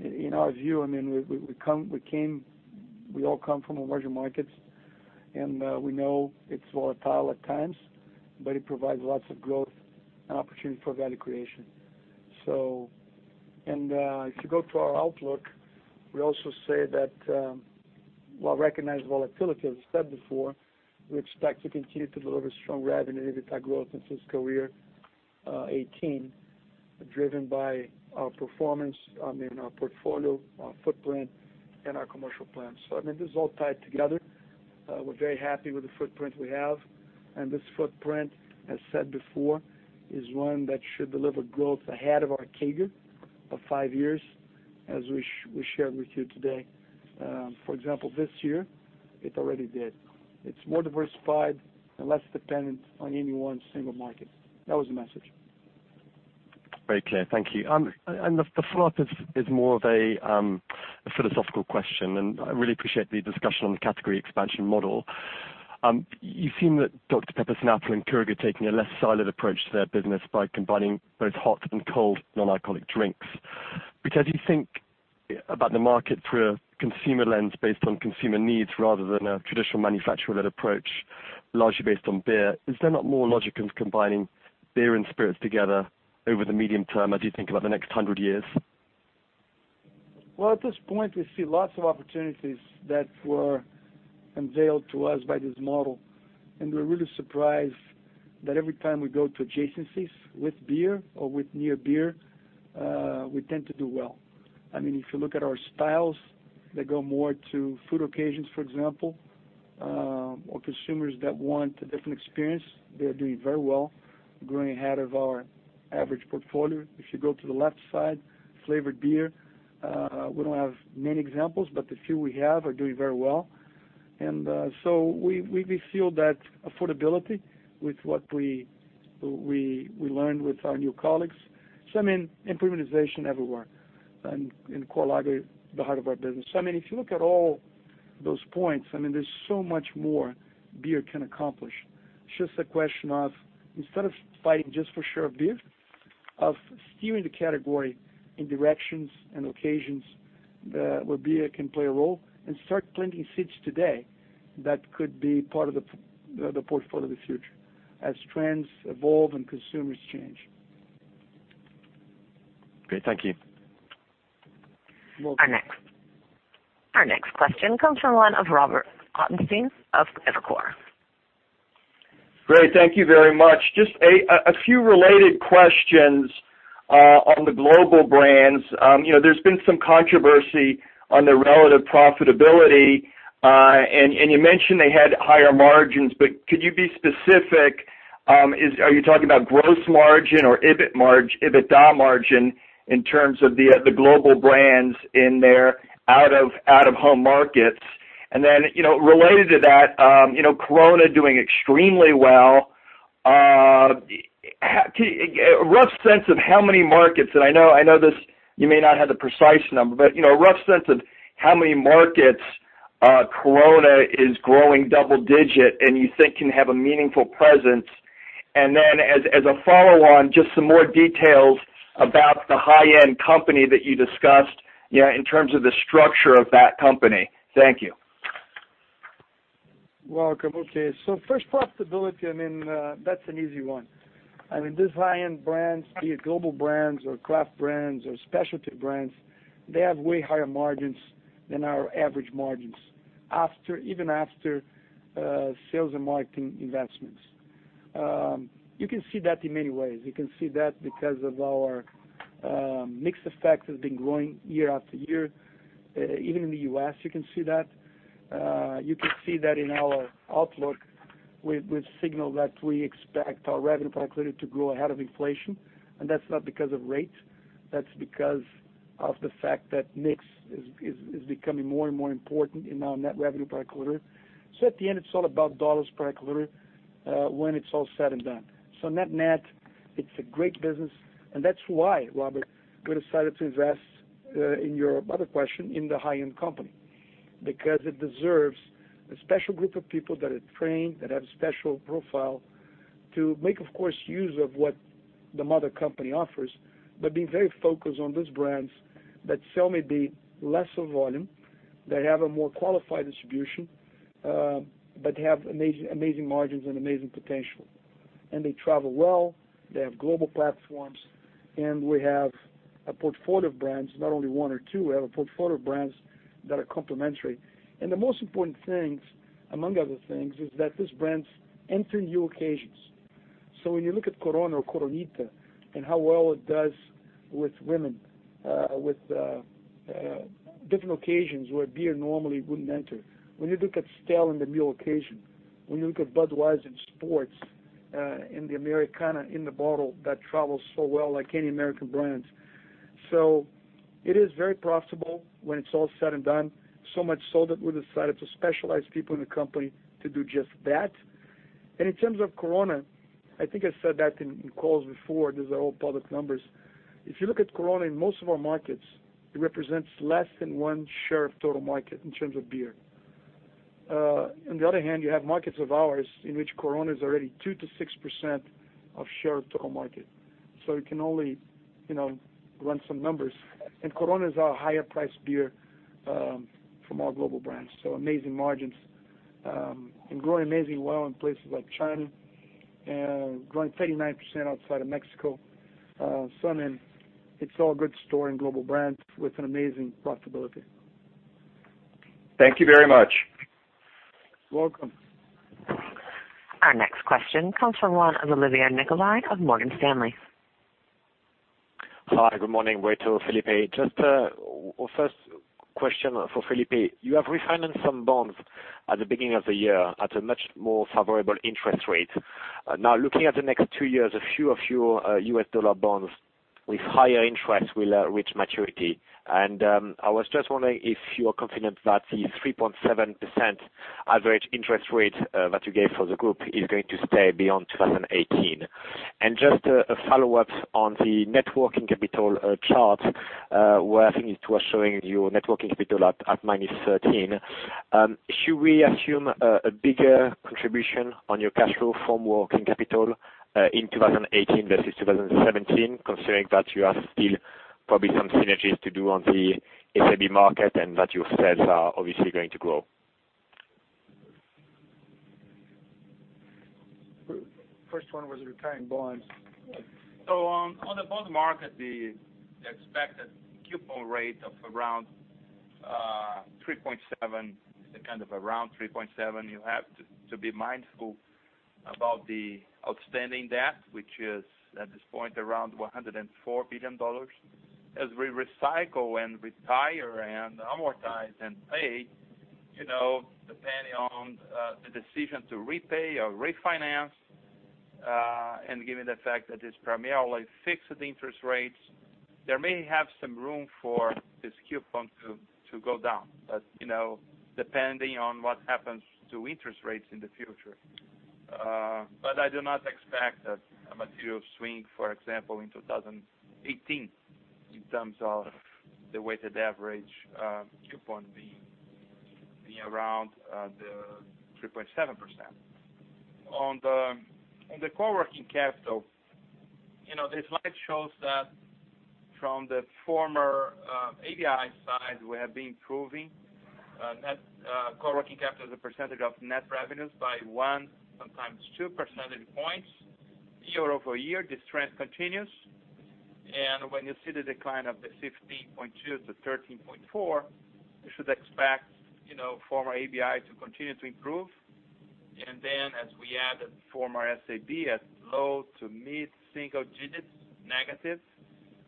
In our view, we all come from emerging markets. We know it's volatile at times, but it provides lots of growth and opportunity for value creation. If you go to our outlook, we also say that while recognizing volatility, as I said before, we expect to continue to deliver strong revenue and EBITDA growth in fiscal year 2018, driven by our performance in our portfolio, our footprint, and our commercial plans. This is all tied together. We're very happy with the footprint we have. This footprint, as said before, is one that should deliver growth ahead of our CAGR of five years, as we shared with you today. For example, this year, it already did. It's more diversified and less dependent on any one single market. That was the message. Very clear. Thank you. The follow-up is more of a philosophical question. I really appreciate the discussion on the category expansion model. You've seen that Dr. Pepper Snapple and Keurig are taking a less siloed approach to their business by combining both hot and cold non-alcoholic drinks. Brito, as you think about the market through a consumer lens based on consumer needs rather than a traditional manufacturer-led approach, largely based on beer, is there not more logic in combining beer and spirits together over the medium term, as you think about the next 100 years? Well, at this point, we see lots of opportunities that were unveiled to us by this model. We're really surprised that every time we go to adjacencies with beer or with near beer, we tend to do well. If you look at our styles that go more to food occasions, for example Consumers that want a different experience, they are doing very well, growing ahead of our average portfolio. If you go to the left side, flavored beer, we don't have many examples, but the few we have are doing very well. We feel that affordability with what we learned with our new colleagues. Improvement everywhere and in core lager, the heart of our business. If you look at all those points, there's so much more beer can accomplish. It's just a question of instead of fighting just for share of beer, of steering the category in directions and occasions where beer can play a role and start planting seeds today that could be part of the portfolio of the future as trends evolve and consumers change. Okay. Thank you. You're welcome. Our next question comes from the line of Robert Ottenstein of Evercore. Great. Thank you very much. Just a few related questions on the global brands. There has been some controversy on their relative profitability, and you mentioned they had higher margins, but could you be specific? Are you talking about gross margin or EBITDA margin in terms of the global brands in their out-of-home markets? Then, related to that, Corona doing extremely well. A rough sense of how many markets, and I know this, you may not have the precise number, but a rough sense of how many markets Corona is growing double-digit and you think can have a meaningful presence. Then as a follow-on, just some more details about the High-End Company that you discussed in terms of the structure of that company. Thank you. Welcome. Okay. First, profitability, that's an easy one. These high-end brands, be it global brands or craft brands or specialty brands, they have way higher margins than our average margins even after sales and marketing investments. You can see that in many ways. You can see that because of our mixed effect has been growing year-after-year. Even in the U.S. you can see that. You can see that in our outlook with signal that we expect our revenue per hectoliter to grow ahead of inflation. That's not because of rates, that's because of the fact that mix is becoming more and more important in our net revenue per hectoliter. At the end, it's all about $ per hectoliter when it's all said and done. Net-net, it's a great business, and that's why, Robert, we decided to invest, in your other question, in the High-End Company because it deserves a special group of people that are trained, that have a special profile to make, of course, use of what the mother company offers, but being very focused on those brands that sell maybe lesser volume, that have a more qualified distribution, but have amazing margins and amazing potential. They travel well, they have global platforms, and we have a portfolio of brands, not only one or two. We have a portfolio of brands that are complementary. The most important things, among other things, is that these brands enter new occasions. When you look at Corona or Coronita and how well it does with women, with different occasions where beer normally wouldn't enter. When you look at Stella in the meal occasion, when you look at Budweiser in sports, in the Americana, in the bottle that travels so well, like any American brands. It is very profitable when it's all said and done. Much so that we decided to specialize people in the company to do just that. In terms of Corona, I think I said that in calls before, these are all public numbers. If you look at Corona, in most of our markets, it represents less than one share of total market in terms of beer. On the other hand, you have markets of ours in which Corona is already 2%-6% of share of total market. You can only run some numbers. Corona is our higher priced beer from our global brands, so amazing margins, and growing amazingly well in places like China, growing 39% outside of Mexico. It's all good story in global brands with an amazing profitability. Thank you very much. Welcome. Our next question comes from the line of Olivier Nicolai of Morgan Stanley. Hi, good morning, Brito, Felipe. Just a first question for Felipe. You have refinanced some bonds at the beginning of the year at a much more favorable interest rate. Now looking at the next two years, a few of your US dollar bonds with higher interest will reach maturity. I was just wondering if you are confident that the 3.7% average interest rate that you gave for the group is going to stay beyond 2018. Just a follow-up on the networking capital chart, where I think it was showing your networking capital at -13. Should we assume a bigger contribution on your cash flow from working capital in 2018 versus 2017, considering that you have still probably some synergies to do on the SABMiller market and that your sales are obviously going to grow? First one was retiring bonds. On the bond market, the expected coupon rate of around 3.7%. You have to be mindful about the outstanding debt, which is at this point around $104 billion. As we recycle and retire and amortize and pay, depending on the decision to repay or refinance, and given the fact that it's primarily fixed interest rates, there may have some room for this coupon to go down, depending on what happens to interest rates in the future. I do not expect a material swing, for example, in 2018, in terms of the weighted average coupon being around the 3.7%. On the working capital, this slide shows that from the former ABI side, we have been improving net core working capital as a percentage of net revenues by one, sometimes two percentage points. Year-over-year, this trend continues. When you see the decline of the 15.2%-13.4%, you should expect former ABI to continue to improve. As we add the former SABMiller at low to mid single digits, negative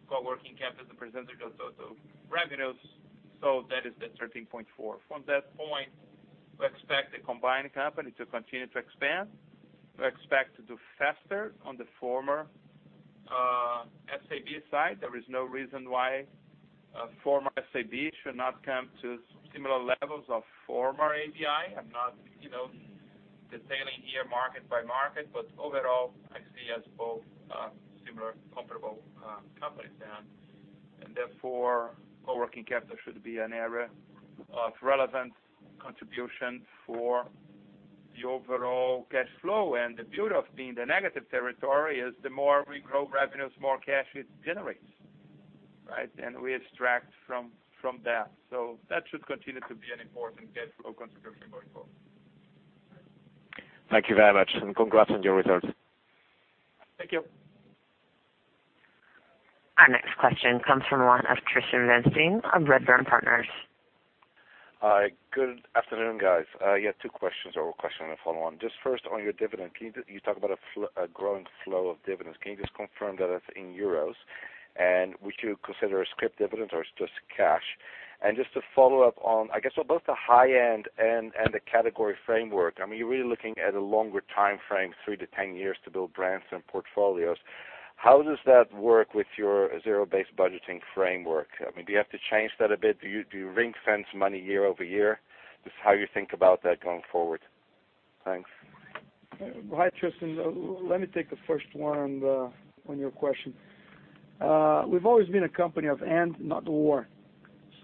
core working capital as a percentage of total revenues. That is the 13.4%. From that point, we expect the combined company to continue to expand. We expect to do faster on the former SABMiller side. There is no reason why former SABMiller should not come to similar levels of former ABI. I'm not detailing here market by market, but overall, I see as both similar comparable companies. Therefore, core working capital should be an area of relevant contribution for the overall cash flow. The beauty of being the negative territory is the more we grow revenues, more cash it generates, right? We extract from that. That should continue to be an important cash flow contribution going forward. Thank you very much. Congrats on your results. Thank you. Our next question comes from line of Tristan Van Strien of Redburn Partners. Hi, good afternoon, guys. Two questions, or a question and a follow-on. First on your dividend. You talk about a growing flow of dividends. Can you just confirm that it's in EUR? Would you consider a scrip dividend or it's just cash? Just to follow up on, I guess, both the high-end and the category framework. You're really looking at a longer timeframe, 3 to 10 years to build brands and portfolios. How does that work with your zero-based budgeting framework? Do you have to change that a bit? Do you ring-fence money year-over-year? Just how you think about that going forward. Thanks. Hi, Tristan. Let me take the first one on your question. We've always been a company of and not the or.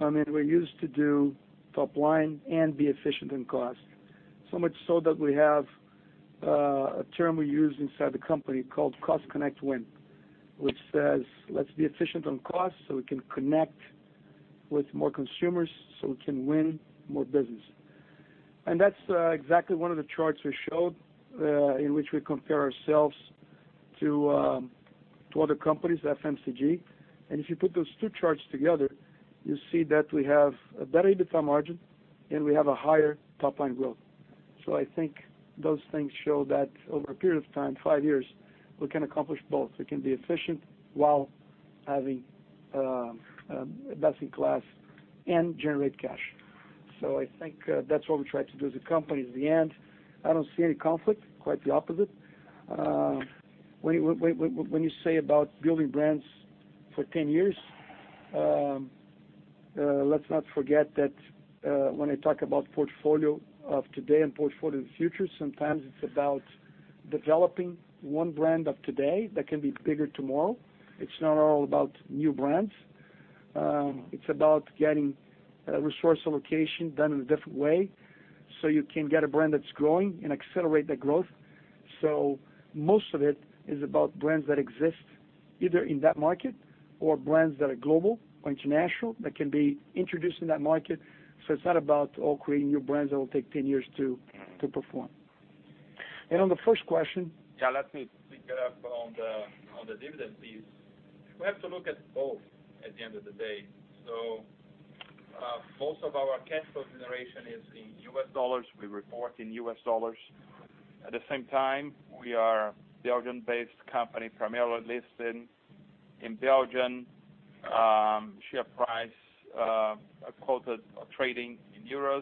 We used to do top line and be efficient in cost, so much so that we have a term we use inside the company called Cost Connect Win, which says, "Let's be efficient on cost so we can connect with more consumers so we can win more business." That's exactly one of the charts we showed, in which we compare ourselves to other companies, FMCG. If you put those two charts together, you see that we have a better EBITDA margin, and we have a higher top-line growth. I think those things show that over a period of time, five years, we can accomplish both. We can be efficient while having a best-in-class and generate cash. I think that's what we try to do as a company in the end. I don't see any conflict, quite the opposite. When you say about building brands for 10 years, let's not forget that when I talk about portfolio of today and portfolio of the future, sometimes it's about developing one brand of today that can be bigger tomorrow. It's not all about new brands. It's about getting resource allocation done in a different way so you can get a brand that's growing and accelerate that growth. Most of it is about brands that exist either in that market or brands that are global or international that can be introduced in that market. It's not about all creating new brands that will take 10 years to perform. On the first question- Yeah, let me pick it up on the dividend piece. We have to look at both at the end of the day. Most of our cash flow generation is in U.S. dollars. We report in U.S. dollars. At the same time, we are a Belgian-based company, primarily listed in Belgium, share price quoted or trading in EUR,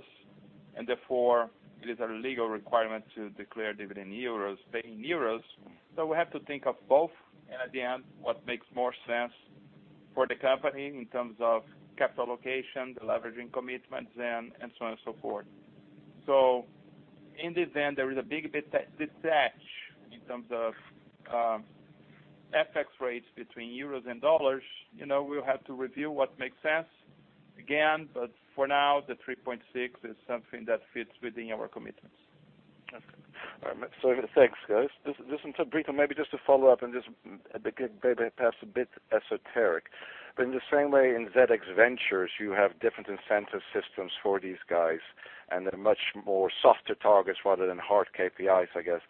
and therefore, it is a legal requirement to declare dividend in EUR, pay in EUR. We have to think of both and at the end, what makes more sense for the company in terms of capital allocation, the leveraging commitments, and so on and so forth. In this end, there is a big detach in terms of FX rates between EUR and U.S. dollars. We'll have to review what makes sense again, but for now, the 3.6 is something that fits within our commitments. Okay. All right. Thanks, guys. Listen to Brito, maybe just to follow up and just perhaps a bit esoteric. In the same way in ZX Ventures, you have different incentive systems for these guys, and they're much more softer targets rather than hard KPIs, I guess.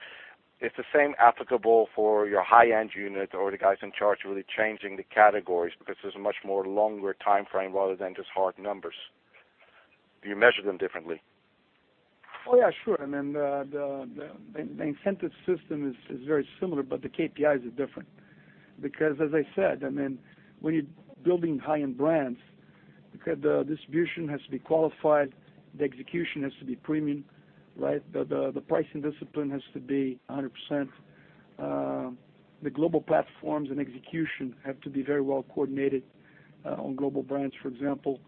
Is the same applicable for your high-end unit or the guys in charge really changing the categories because there's a much more longer timeframe rather than just hard numbers? You measure them differently. Oh, yeah, sure. The incentive system is very similar. The KPIs are different. As I said, when you are building high-end brands, the distribution has to be qualified, the execution has to be premium. The pricing discipline has to be 100%. The global platforms and execution have to be very well coordinated on global brands. For example,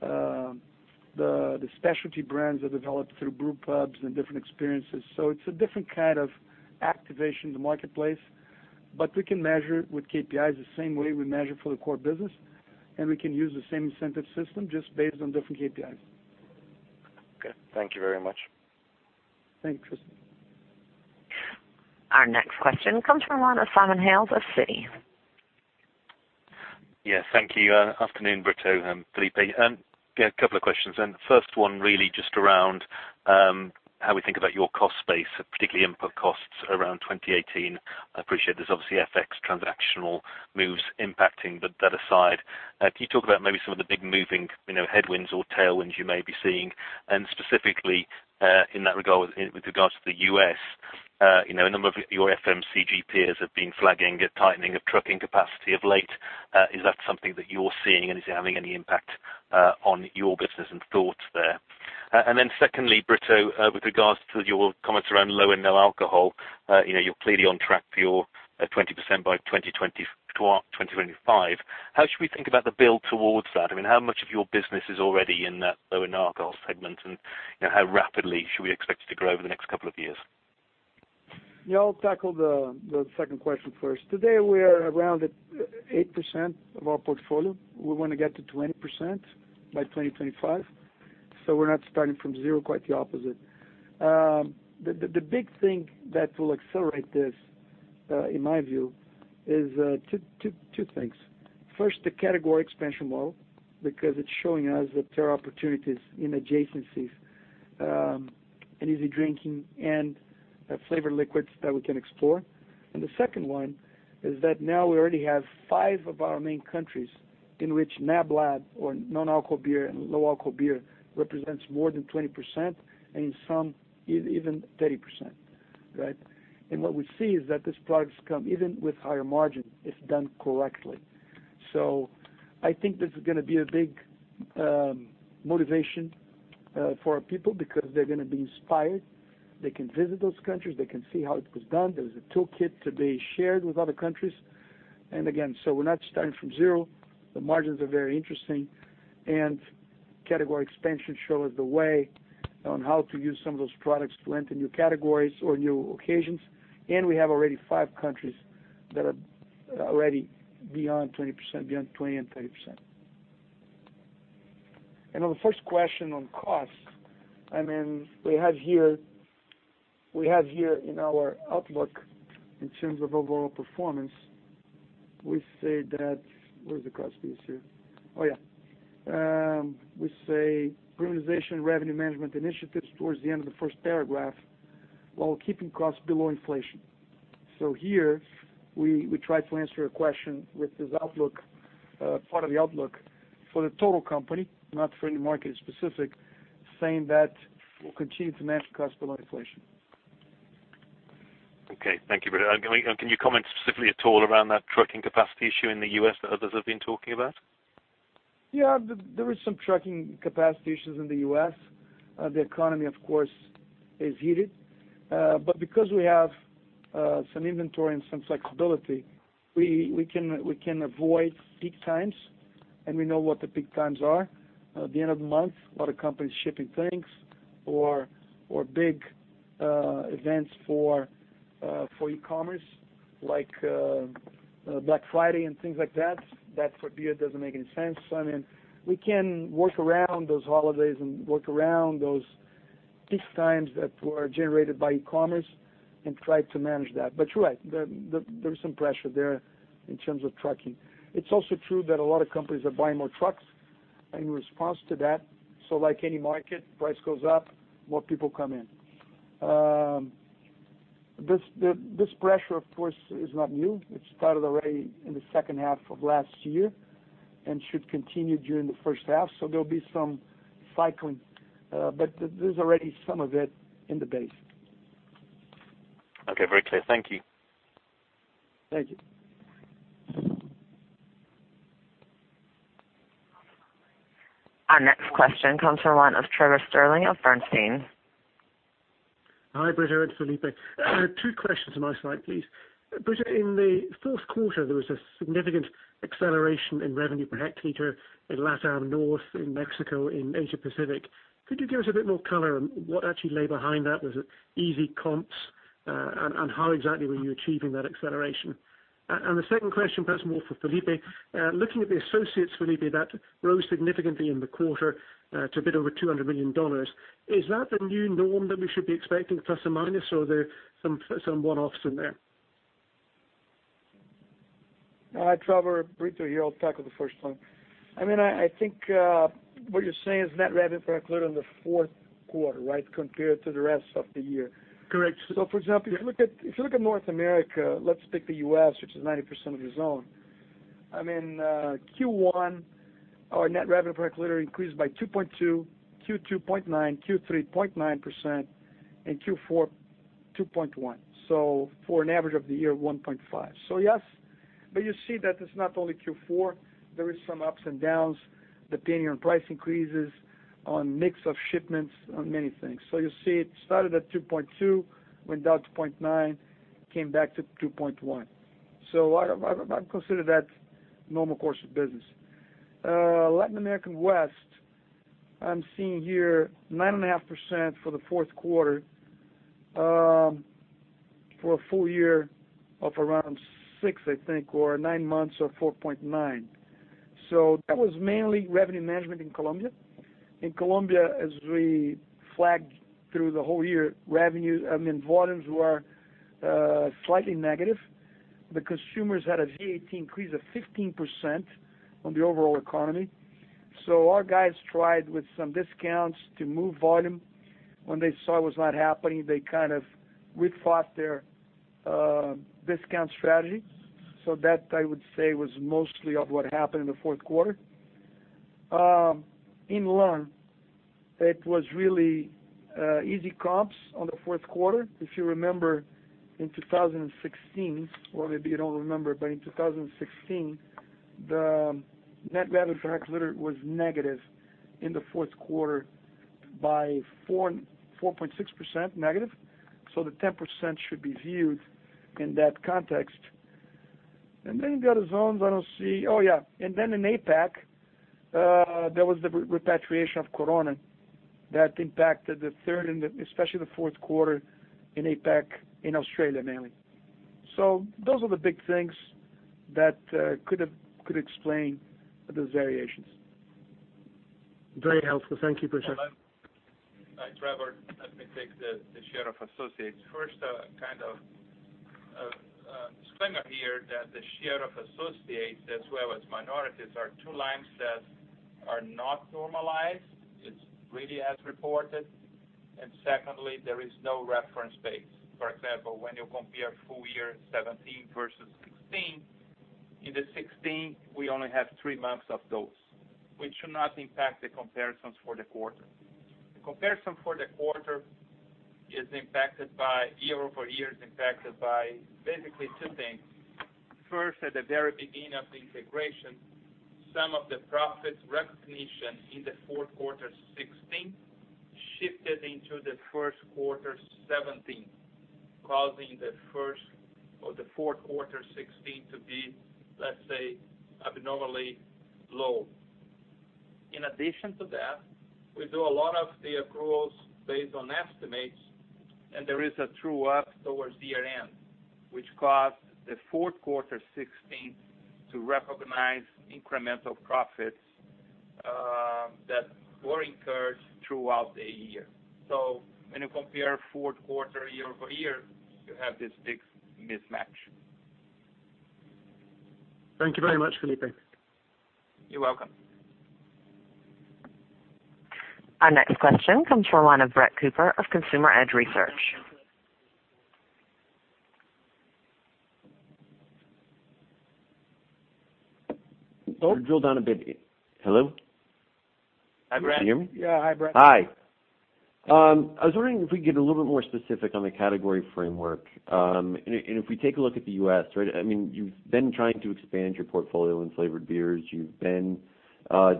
the specialty brands are developed through brew pubs and different experiences. It is a different kind of activation in the marketplace. We can measure with KPIs the same way we measure for the core business, and we can use the same incentive system just based on different KPIs. Okay. Thank you very much. Thanks, Chris. Our next question comes from the line of Simon Hales of Citi. Yes, thank you. Afternoon, Brito and Felipe. A couple of questions. First one really just around how we think about your cost base, particularly input costs around 2018. I appreciate there's obviously FX transactional moves impacting, but that aside, can you talk about maybe some of the big moving headwinds or tailwinds you may be seeing? And specifically, in that regard, with regards to the U.S., a number of your FMCG peers have been flagging a tightening of trucking capacity of late. Is that something that you're seeing, and is it having any impact on your business and thoughts there? Secondly, Brito, with regards to your comments around low and no alcohol, you're clearly on track for your 20% by 2025. How should we think about the build towards that? How much of your business is already in that low and no alcohol segment, and how rapidly should we expect it to grow over the next couple of years? Yeah, I'll tackle the second question first. Today, we are around 8% of our portfolio. We want to get to 20% by 2025. We're not starting from zero, quite the opposite. The big thing that will accelerate this, in my view, is two things. First, the category expansion model, because it's showing us that there are opportunities in adjacencies and easy drinking and flavored liquids that we can explore. The second one is that now we already have five of our main countries in which NABLAB or non-alcohol beer and low-alcohol beer represents more than 20%, and in some, even 30%. What we see is that these products come even with higher margin if done correctly. I think this is going to be a big motivation for our people because they're going to be inspired. They can visit those countries. They can see how it was done. There is a toolkit to be shared with other countries. Again, we're not starting from zero. The margins are very interesting, and category expansion shows the way on how to use some of those products to enter new categories or new occasions. We have already five countries that are already beyond 20% and 30%. On the first question on costs, we have here in our outlook in terms of overall performance, we say that-- Where is the cost piece here? Oh, yeah. We say premiumization revenue management initiatives towards the end of the first paragraph while keeping costs below inflation. Here we try to answer a question with this outlook, part of the outlook for the total company, not for any market specific, saying that we'll continue to manage costs below inflation. Okay. Thank you, Brito. Can you comment specifically at all around that trucking capacity issue in the U.S. that others have been talking about? Yeah, there is some trucking capacity issues in the U.S. The economy, of course, is heated. Because we have some inventory and some flexibility, we can avoid peak times, and we know what the peak times are. At the end of the month, a lot of companies shipping things or big events for e-commerce, like Black Friday and things like that. That for beer doesn't make any sense. We can work around those holidays and work around those peak times that were generated by e-commerce and try to manage that. You're right, there's some pressure there in terms of trucking. It's also true that a lot of companies are buying more trucks in response to that. Like any market, price goes up, more people come in. This pressure, of course, is not new. It started already in the second half of last year and should continue during the first half. There'll be some cycling, but there's already some of it in the base. Okay, very clear. Thank you. Thank you. Our next question comes from the line of Trevor Stirling of Bernstein. Hi, Brito and Felipe. Two questions on my side, please. Brito, in the fourth quarter, there was a significant acceleration in revenue per hectoliter in LATAM North, in Mexico, in Asia Pacific. Could you give us a bit more color on what actually lay behind that? Was it easy comps? How exactly were you achieving that acceleration? The second question, perhaps more for Felipe. Looking at the associates, Felipe, that rose significantly in the quarter to a bit over $200 million. Is that the new norm that we should be expecting, plus or minus, or are there some one-offs in there? Hi, Trevor. Brito here. I'll tackle the first one. I think what you're saying is net revenue per hectoliter on the fourth quarter compared to the rest of the year. Correct. For example, if you look at North America, let's pick the U.S., which is 90% of the zone. In Q1, our net revenue per hectoliter increased by 2.2%, Q2 0.9%, Q3 0.9%, and Q4 2.1%. For an average of the year, 1.5%. You see that it's not only Q4, there is some ups and downs depending on price increases, on mix of shipments, on many things. You see it started at 2.2%, went down to 0.9%, came back to 2.1%. I'd consider that normal course of business. Latin American West, I'm seeing here 9.5% for the fourth quarter, for a full year of around 6%, I think, or nine months of 4.9%. That was mainly revenue management in Colombia. In Colombia, as we flagged through the whole year, volumes were slightly negative. The consumers had a VAT increase of 15% on the overall economy. Our guys tried with some discounts to move volume. When they saw it was not happening, they rethought their discount strategy. That, I would say, was mostly of what happened in the fourth quarter. In LATAM, it was really easy comps on the fourth quarter. If you remember in 2016, or maybe you don't remember, in 2016, the net revenue per hectoliter was negative in the fourth quarter by -4.6%. The 10% should be viewed in that context. The other zones I don't see. In APAC, there was the repatriation of Corona that impacted the third and especially the fourth quarter in APAC, in Australia mainly. Those are the big things that could explain those variations. Very helpful. Thank you, Brito. Hi, Trevor. Let me take the share of associates. First, a kind of disclaimer here that the share of associates as well as minorities are two lines that are not normalized, it's really as reported. Secondly, there is no reference base. For example, when you compare full year 2017 versus 2016, in 2016, we only have three months of those, which should not impact the comparisons for the quarter. The comparison for the quarter is impacted by, year-over-year is impacted by basically two things. First, at the very beginning of the integration, some of the profit recognition in the fourth quarter 2016 shifted into the first quarter 2017, causing the fourth quarter 2016 to be, let's say, abnormally low. In addition to that, we do a lot of the accruals based on estimates, and there is a true-up towards year-end, which caused the fourth quarter 2016 to recognize incremental profits that were incurred throughout the year. When you compare fourth quarter year-over-year, you have this big mismatch. Thank you very much, Felipe. You're welcome. Our next question comes from the line of Brett Cooper of Consumer Edge Research. Hello? Drill down a bit. Hello? Hi, Brett. Can you hear me? Yeah. Hi, Brett. Hi. I was wondering if we could get a little bit more specific on the category framework. If we take a look at the U.S., you've been trying to expand your portfolio in flavored beers. You've been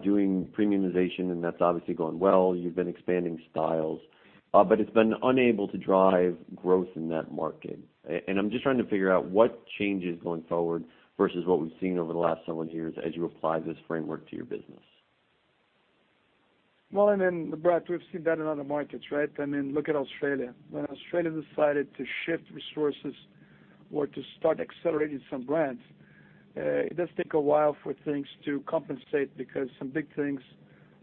doing premiumization, and that's obviously going well. You've been expanding styles. It's been unable to drive growth in that market. I'm just trying to figure out what changes going forward versus what we've seen over the last several years as you apply this framework to your business. Brett, we've seen that in other markets, right? Look at Australia. When Australia decided to shift resources or to start accelerating some brands, it does take a while for things to compensate because some big things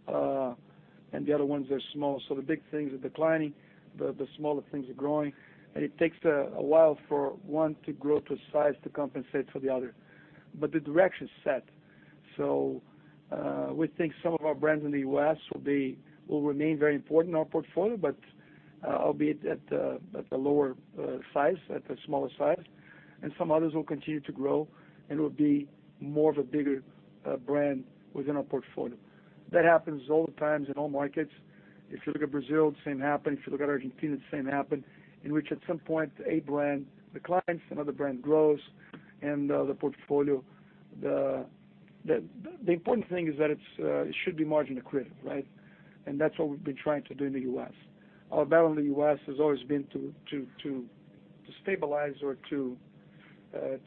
and the other ones are small. The big things are declining, the smaller things are growing, and it takes a while for one to grow to a size to compensate for the other. The direction's set. We think some of our brands in the U.S. will remain very important in our portfolio, but albeit at the lower size, at the smaller size, and some others will continue to grow and will be more of a bigger brand within our portfolio. That happens all the times in all markets. If you look at Brazil, the same happened. If you look at Argentina, the same happened. In which at some point, a brand declines, another brand grows, and the portfolio. The important thing is that it should be margin accretive, right? That's what we've been trying to do in the U.S. Our battle in the U.S. has always been to stabilize or to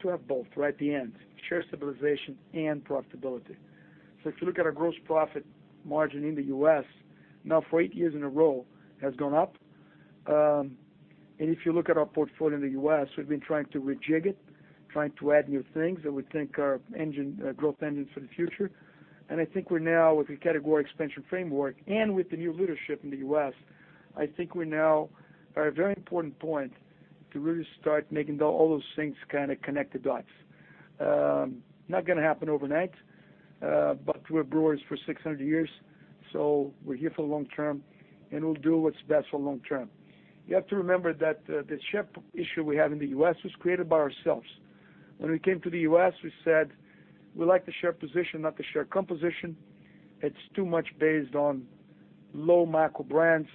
have both at the end, share stabilization and profitability. If you look at our gross profit margin in the U.S., now for eight years in a row, has gone up. If you look at our portfolio in the U.S., we've been trying to rejig it, trying to add new things that we think are our growth engines for the future. I think we're now with the category expansion framework and with the new leadership in the U.S., I think we now are at a very important point to really start making all those things kind of connect the dots. Not going to happen overnight. We're brewers for 600 years, we're here for the long term, and we'll do what's best for the long term. You have to remember that the share issue we have in the U.S. was created by ourselves. When we came to the U.S., we said we like the share position, not the share composition. It's too much based on low macro brands,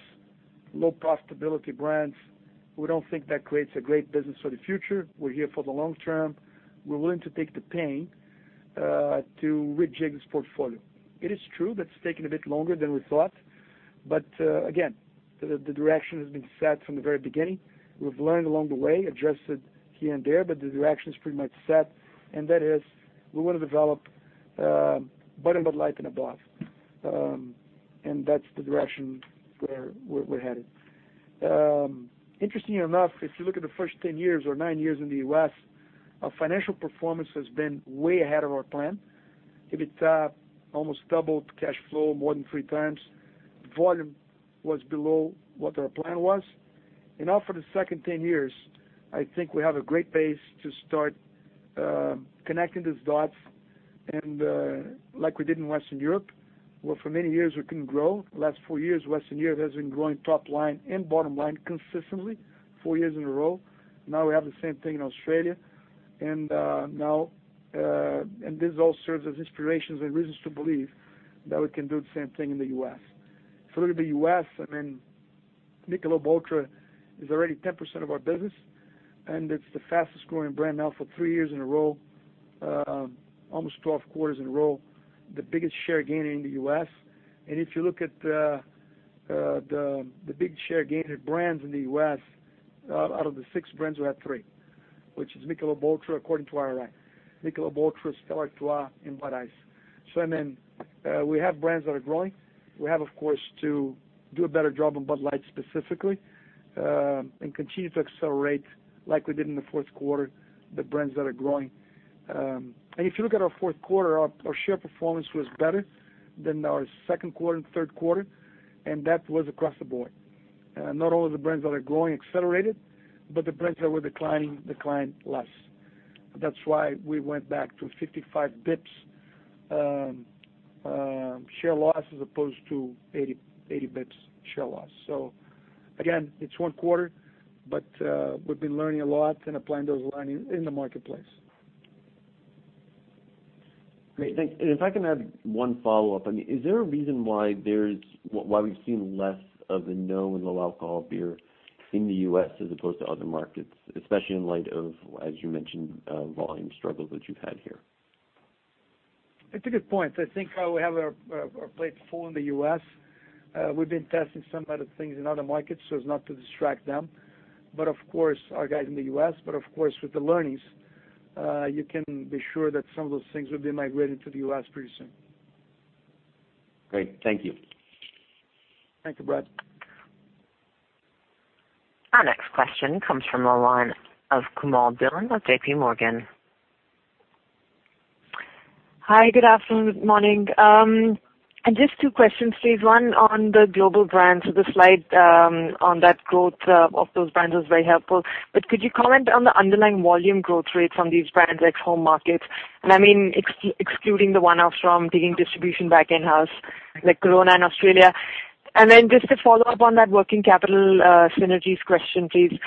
low profitability brands. We don't think that creates a great business for the future. We're here for the long term. We're willing to take the pain to rejig this portfolio. It is true that it's taking a bit longer than we thought. Again, the direction has been set from the very beginning. We've learned along the way, adjusted here and there, the direction is pretty much set, and that is we want to develop Bud and Bud Light and above. That's the direction where we're headed. Interestingly enough, if you look at the first 10 years or 9 years in the U.S., our financial performance has been way ahead of our plan. EBITDA almost doubled, cash flow more than 3 times. Volume was below what our plan was. Now for the second 10 years, I think we have a great base to start connecting these dots and like we did in Western Europe, where for many years we couldn't grow. The last 4 years, Western Europe has been growing top line and bottom line consistently, 4 years in a row. Now we have the same thing in Australia, this all serves as inspirations and reasons to believe that we can do the same thing in the U.S. If you look at the U.S., Michelob ULTRA is already 10% of our business, and it's the fastest-growing brand now for 3 years in a row. Almost 12 quarters in a row, the biggest share gainer in the U.S. If you look at the big share gainer brands in the U.S., out of the 6 brands, we have 3, which is Michelob ULTRA, according to IRI. Michelob ULTRA, Stella Artois, and Bud Ice. We have brands that are growing. We have, of course, to do a better job on Bud Light specifically, and continue to accelerate, like we did in the fourth quarter, the brands that are growing. If you look at our fourth quarter, our share performance was better than our second quarter and third quarter, and that was across the board. Not only the brands that are growing accelerated, but the brands that were declining, declined less. That's why we went back to 55 basis points share loss as opposed to 80 basis points share loss. Again, it's 1 quarter, but we've been learning a lot and applying those learnings in the marketplace. Great. Thanks. If I can add 1 follow-up. Is there a reason why we've seen less of the no and low alcohol beer in the U.S. as opposed to other markets, especially in light of, as you mentioned, volume struggles that you've had here? It's a good point. I think we have our plate full in the U.S. We've been testing some other things in other markets, so as not to distract them. Of course, with the learnings, you can be sure that some of those things will be migrating to the U.S. pretty soon. Great. Thank you. Thank you, Brett. Our next question comes from the line of Komal Dhillon with JPMorgan. Hi, good afternoon. Good morning. Just two questions, please. One on the global brands. The slide on that growth of those brands was very helpful. Could you comment on the underlying volume growth rates on these brands, ex home markets? I mean, excluding the one-offs from taking distribution back in-house like Corona in Australia. Just to follow up on that working capital synergies question, please.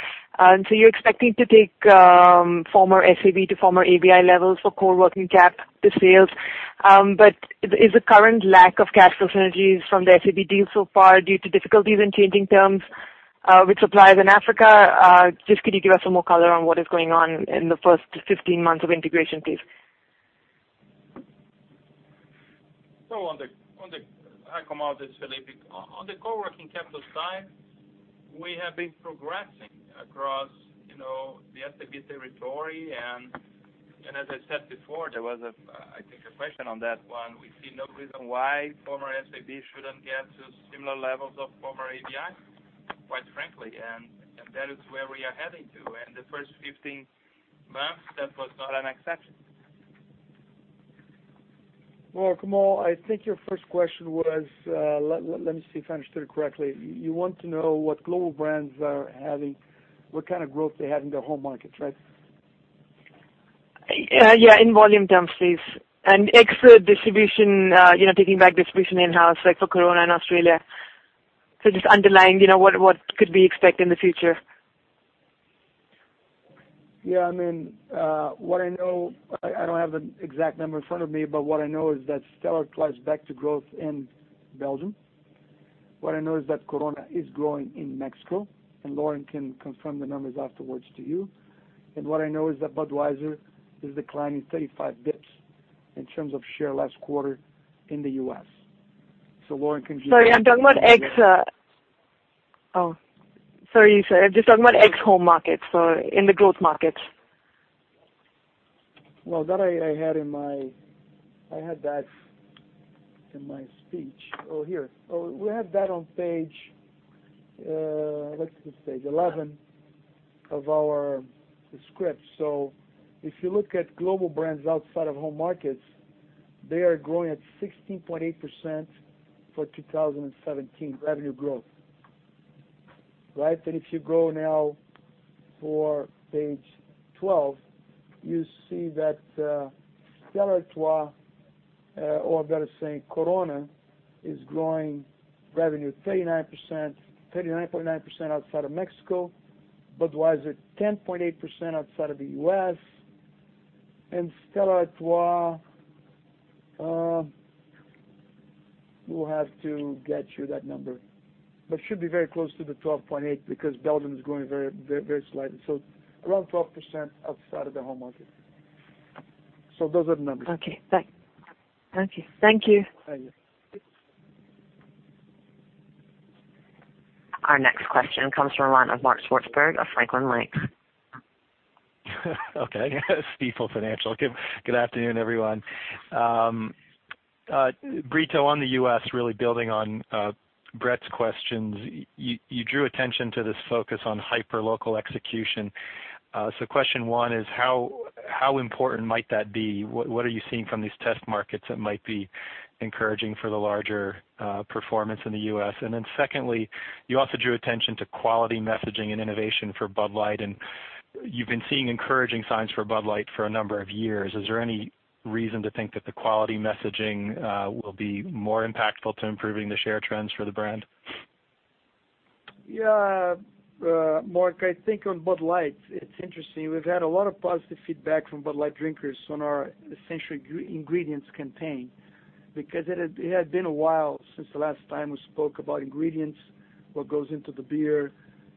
You're expecting to take former SABMiller to former ABI levels for core working cap to sales. Is the current lack of capital synergies from the SABMiller deal so far due to difficulties in changing terms with suppliers in Africa? Just could you give us some more color on what is going on in the first 15 months of integration, please? Hi, Komal. This is Felipe. On the core working capital side, we have been progressing across the SABMiller territory. As I said before, there was, I think, a question on that one. We see no reason why former SABMiller shouldn't get to similar levels of former ABI, quite frankly. That is where we are heading to. The first 15 months, that was not an exception. Komal, I think your first question was, let me see if I understood it correctly. You want to know what global brands are having, what kind of growth they had in their home markets, right? Yeah, in volume terms, please. Ex the distribution, taking back distribution in-house, like for Corona in Australia. Just underlying, what could we expect in the future? What I know, I don't have an exact number in front of me, but what I know is that Stella Artois is back to growth in Belgium. What I know is that Corona is growing in Mexico, and Lauren can confirm the numbers afterwards to you. What I know is that Budweiser is declining 35 basis points in terms of share last quarter in the U.S. Lauren, can you- Sorry, I'm talking about. Oh, sorry, you said. I'm just talking about ex home markets, in the growth markets. Well, that I had in my speech. Oh, here. We have that on page, what's this page? 11 of our script. If you look at global brands outside of home markets, they are growing at 16.8% for 2017 revenue growth. Right. If you go now for page 12, you see that Stella Artois, or I better say Corona, is growing revenue 39.9% outside of Mexico. Budweiser, 10.8% outside of the U.S. Stella Artois, we'll have to get you that number, but should be very close to the 12.8 because Belgium is growing very slightly. Around 12% outside of the home market. Those are the numbers. Okay. Thank you. Thank you. Our next question comes from the line of Mark Swartzberg of Stifel Nicolaus. Okay. Stifel Financial. Good afternoon, everyone. Brito, on the U.S., really building on Brett's questions, you drew attention to this focus on hyper-local execution. Question one is, how important might that be? What are you seeing from these test markets that might be encouraging for the larger performance in the U.S.? Secondly, you also drew attention to quality messaging and innovation for Bud Light, and you've been seeing encouraging signs for Bud Light for a number of years. Is there any reason to think that the quality messaging will be more impactful to improving the share trends for the brand? Yeah, Mark, I think on Bud Light, it's interesting. We've had a lot of positive feedback from Bud Light drinkers on our essential ingredients campaign, because it had been a while since the last time we spoke about ingredients, what goes into the beer,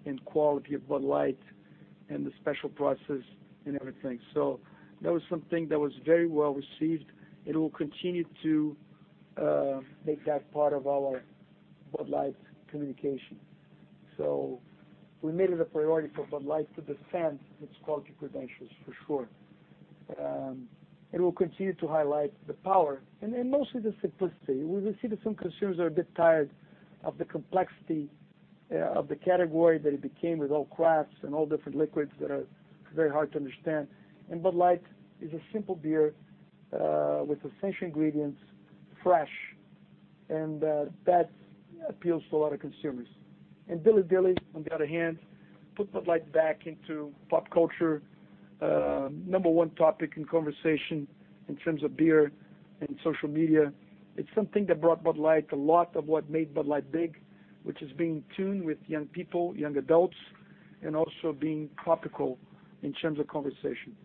and quality of Bud Light, and the special process and everything. That was something that was very well-received, and we will continue to make that part of our Bud Light communication. We made it a priority for Bud Light to defend its quality credentials, for sure. We'll continue to highlight the power and mostly the simplicity. We will see that some consumers are a bit tired of the complexity of the category that it became with all crafts and all different liquids that are very hard to understand. Bud Light is a simple beer with essential ingredients, fresh, and that appeals to a lot of consumers. Dilly Dilly, on the other hand, put Bud Light back into pop culture, number 1 topic in conversation in terms of beer and social media. It's something that brought Bud Light a lot of what made Bud Light big, which is being in tune with young people, young adults, and also being topical in terms of conversation.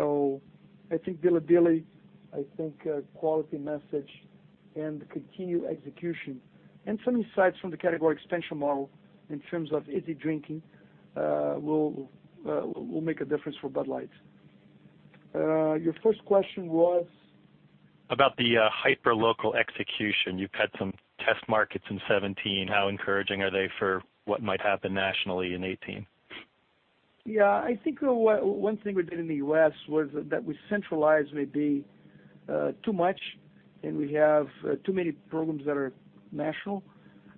I think Dilly Dilly, I think quality message and continued execution, some insights from the category expansion model in terms of easy drinking will make a difference for Bud Light. Your first question was? About the hyperlocal execution. You've had some test markets in 2017. How encouraging are they for what might happen nationally in 2018? I think one thing we did in the U.S. was that we centralized maybe too much, we have too many programs that are national.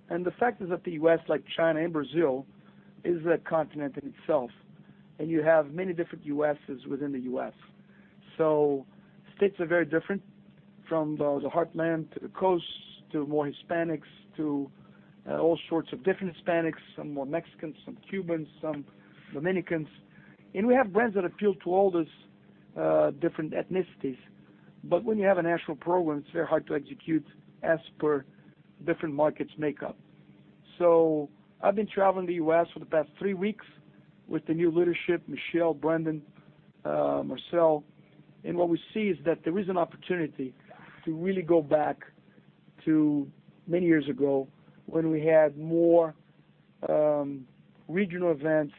The fact is that the U.S., like China and Brazil, is a continent in itself, and you have many different U.S.' within the U.S. States are very different from the heartland to the coast, to more Hispanics, to all sorts of different Hispanics, some more Mexicans, some Cubans, some Dominicans. We have brands that appeal to all these different ethnicities. But when you have a national program, it's very hard to execute as per different markets' makeup. I've been traveling the U.S. for the past three weeks with the new leadership, Michel, Brendan, Marcel. What we see is that there is an opportunity to really go back to many years ago when we had more regional events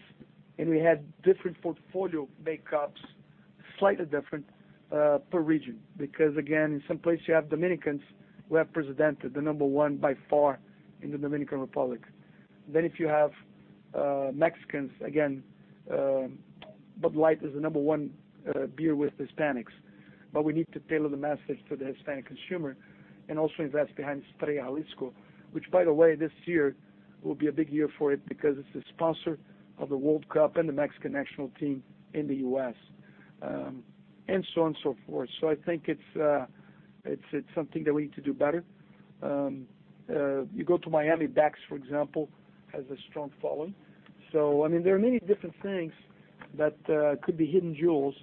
and we had different portfolio makeups, slightly different per-region. Because again, in some places you have Dominicans who have Presidente, the number 1 by far in the Dominican Republic. If you have Mexicans, again, Bud Light is the number 1 beer with Hispanics. We need to tailor the message to the Hispanic consumer and also invest behind Estrella Jalisco, which by the way, this year will be a big year for it because it's the sponsor of the World Cup and the Mexican national team in the U.S., and so on and so forth. I think it's something that we need to do better. You go to Miami, Beck's, for example, has a strong following. There are many different things that could be hidden jewels.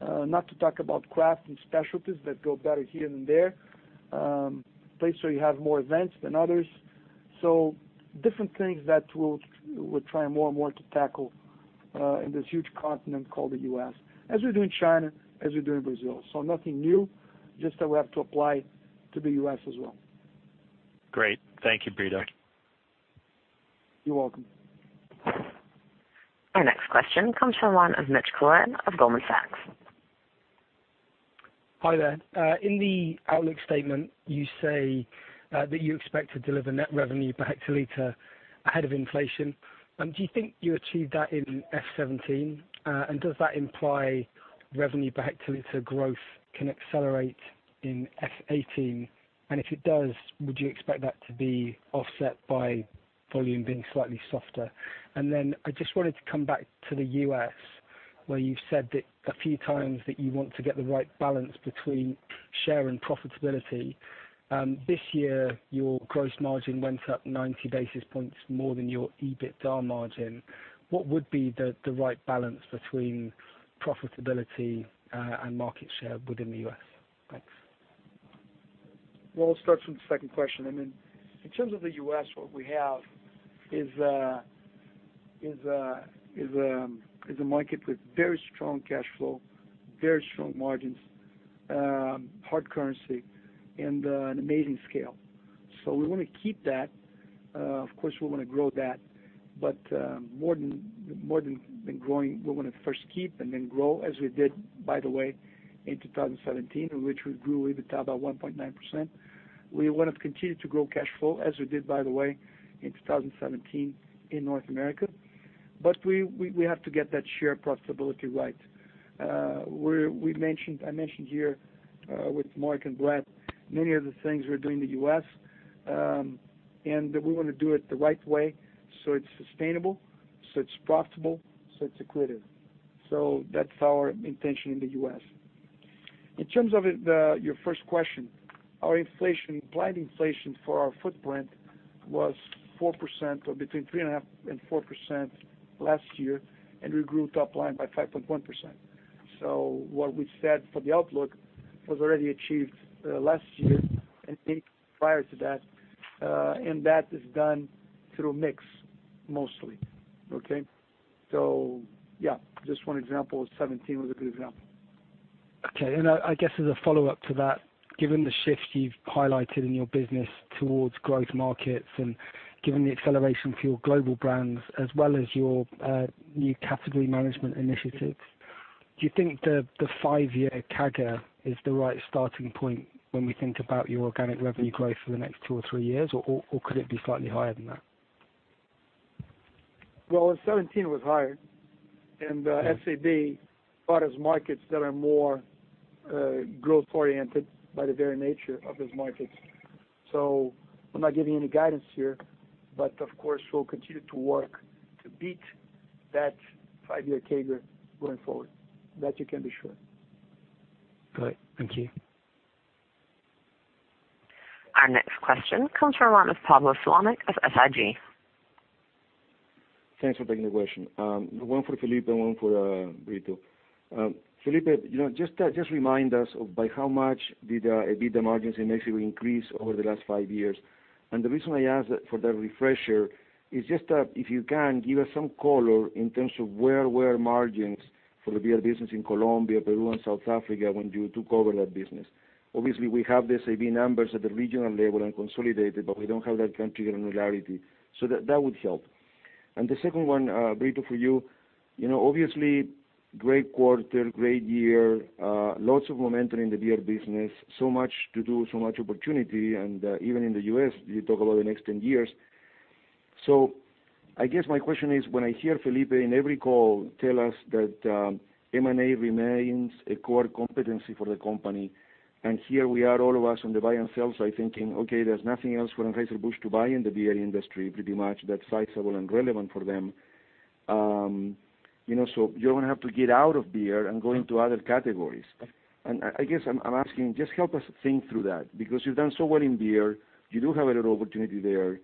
Not to talk about craft and specialties that go better here than there. Places where you have more events than others. Different things that we'll try more and more to tackle in this huge continent called the U.S., as we do in China, as we do in Brazil. Nothing new, just that we have to apply to the U.S. as well. Great. Thank you, Brito. You're welcome. Our next question comes from the line of Mitchell Collett of Goldman Sachs. Hi there. In the outlook statement, you say that you expect to deliver net revenue per hectoliter ahead of inflation. Do you think you achieved that in FY 2017? Does that imply revenue per hectoliter growth can accelerate in FY 2018? If it does, would you expect that to be offset by volume being slightly softer? I just wanted to come back to the U.S. Where you've said that a few times that you want to get the right balance between share and profitability. This year, your gross margin went up 90 basis points more than your EBITDA margin. What would be the right balance between profitability and market share within the U.S.? Thanks. Well, I'll start from the second question. In terms of the U.S., what we have is a market with very strong cash flow, very strong margins, hard currency, and an amazing scale. We want to keep that. Of course, we want to grow that. More than growing, we want to first keep and then grow, as we did, by the way, in 2017, in which we grew EBITDA by 1.9%. We want to continue to grow cash flow, as we did, by the way, in 2017 in North America. We have to get that share profitability right. I mentioned here, with Mark and Brett Cooper, many of the things we're doing in the U.S., and that we want to do it the right way so it's sustainable, so it's profitable, so it's accretive. That's our intention in the U.S. In terms of your first question, our implied inflation for our footprint was 4%, or between 3.5% and 4% last year, and we grew top line by 5.1%. What we said for the outlook was already achieved last year and prior to that, and that is done through mix mostly. Okay? Yeah, just one example, 2017 was a good example. Okay. I guess as a follow-up to that, given the shift you've highlighted in your business towards growth markets and given the acceleration for your global brands as well as your new category management initiatives, do you think the five-year CAGR is the right starting point when we think about your organic revenue growth for the next two or three years, or could it be slightly higher than that? Well, 2017 was higher, SABMiller brought us markets that are more growth-oriented by the very nature of those markets. I'm not giving any guidance here, but of course, we'll continue to work to beat that five-year CAGR going forward. That you can be sure. Great. Thank you. Our next question comes from one of Pablo Slomik of FIG. Thanks for taking the question. One for Felipe, one for Brito. Felipe, just remind us of by how much did the EBITDA margins in Mexico increase over the last five years. The reason I ask for that refresher is just that if you can, give us some color in terms of where were margins for the beer business in Colombia, Peru, and South Africa when you took over that business. Obviously, we have the SABMiller numbers at the regional level and consolidated, but we don't have that country granularity. That would help. The second one, Brito, for you. Obviously, great quarter, great year, lots of momentum in the beer business, so much to do, so much opportunity, and even in the U.S., you talk about the next 10 years. I guess my question is, when I hear Felipe in every call tell us that M&A remains a core competency for the company, and here we are, all of us on the buy and sell side thinking, okay, there's nothing else for Anheuser-Busch to buy in the beer industry pretty much that's sizable and relevant for them. You're going to have to get out of beer and go into other categories. I guess I'm asking, just help us think through that, because you've done so well in beer, you do have a little opportunity there.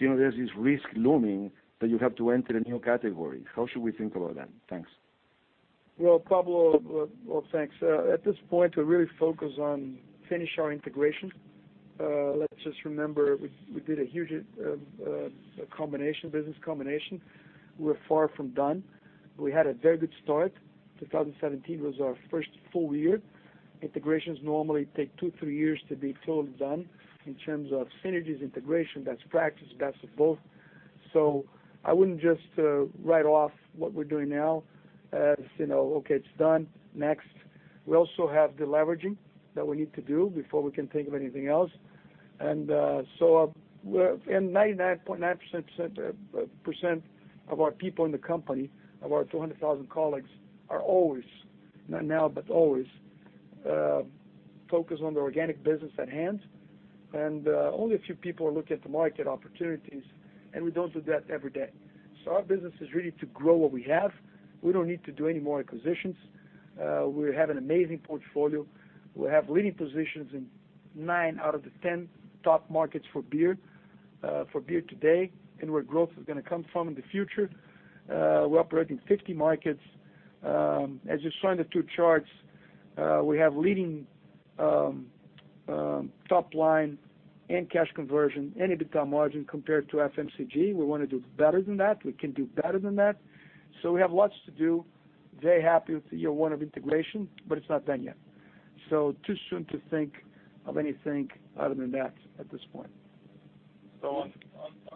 There's this risk looming that you have to enter a new category. How should we think about that? Thanks. Well, Pablo, thanks. At this point, we're really focused on finish our integration. Let's just remember, we did a huge business combination. We're far from done. We had a very good start. 2017 was our first full year. Integrations normally take two, three years to be totally done in terms of synergies, integration, best practice, best of both. I wouldn't just write off what we're doing now as, okay, it's done, next. We also have deleveraging that we need to do before we can think of anything else. 99.9% of our people in the company, of our 200,000 colleagues, are always, not now but always, focused on the organic business at hand. Only a few people are looking at the market opportunities, and we don't do that every day. Our business is really to grow what we have. We don't need to do any more acquisitions. We have an amazing portfolio. We have leading positions in nine out of the 10 top markets for beer today and where growth is going to come from in the future. We operate in 50 markets. As you saw in the two charts, we have leading top line and cash conversion and EBITDA margin compared to FMCG. We want to do better than that. We can do better than that. We have lots to do. Very happy with year one of integration, but it's not done yet. Too soon to think of anything other than that at this point. On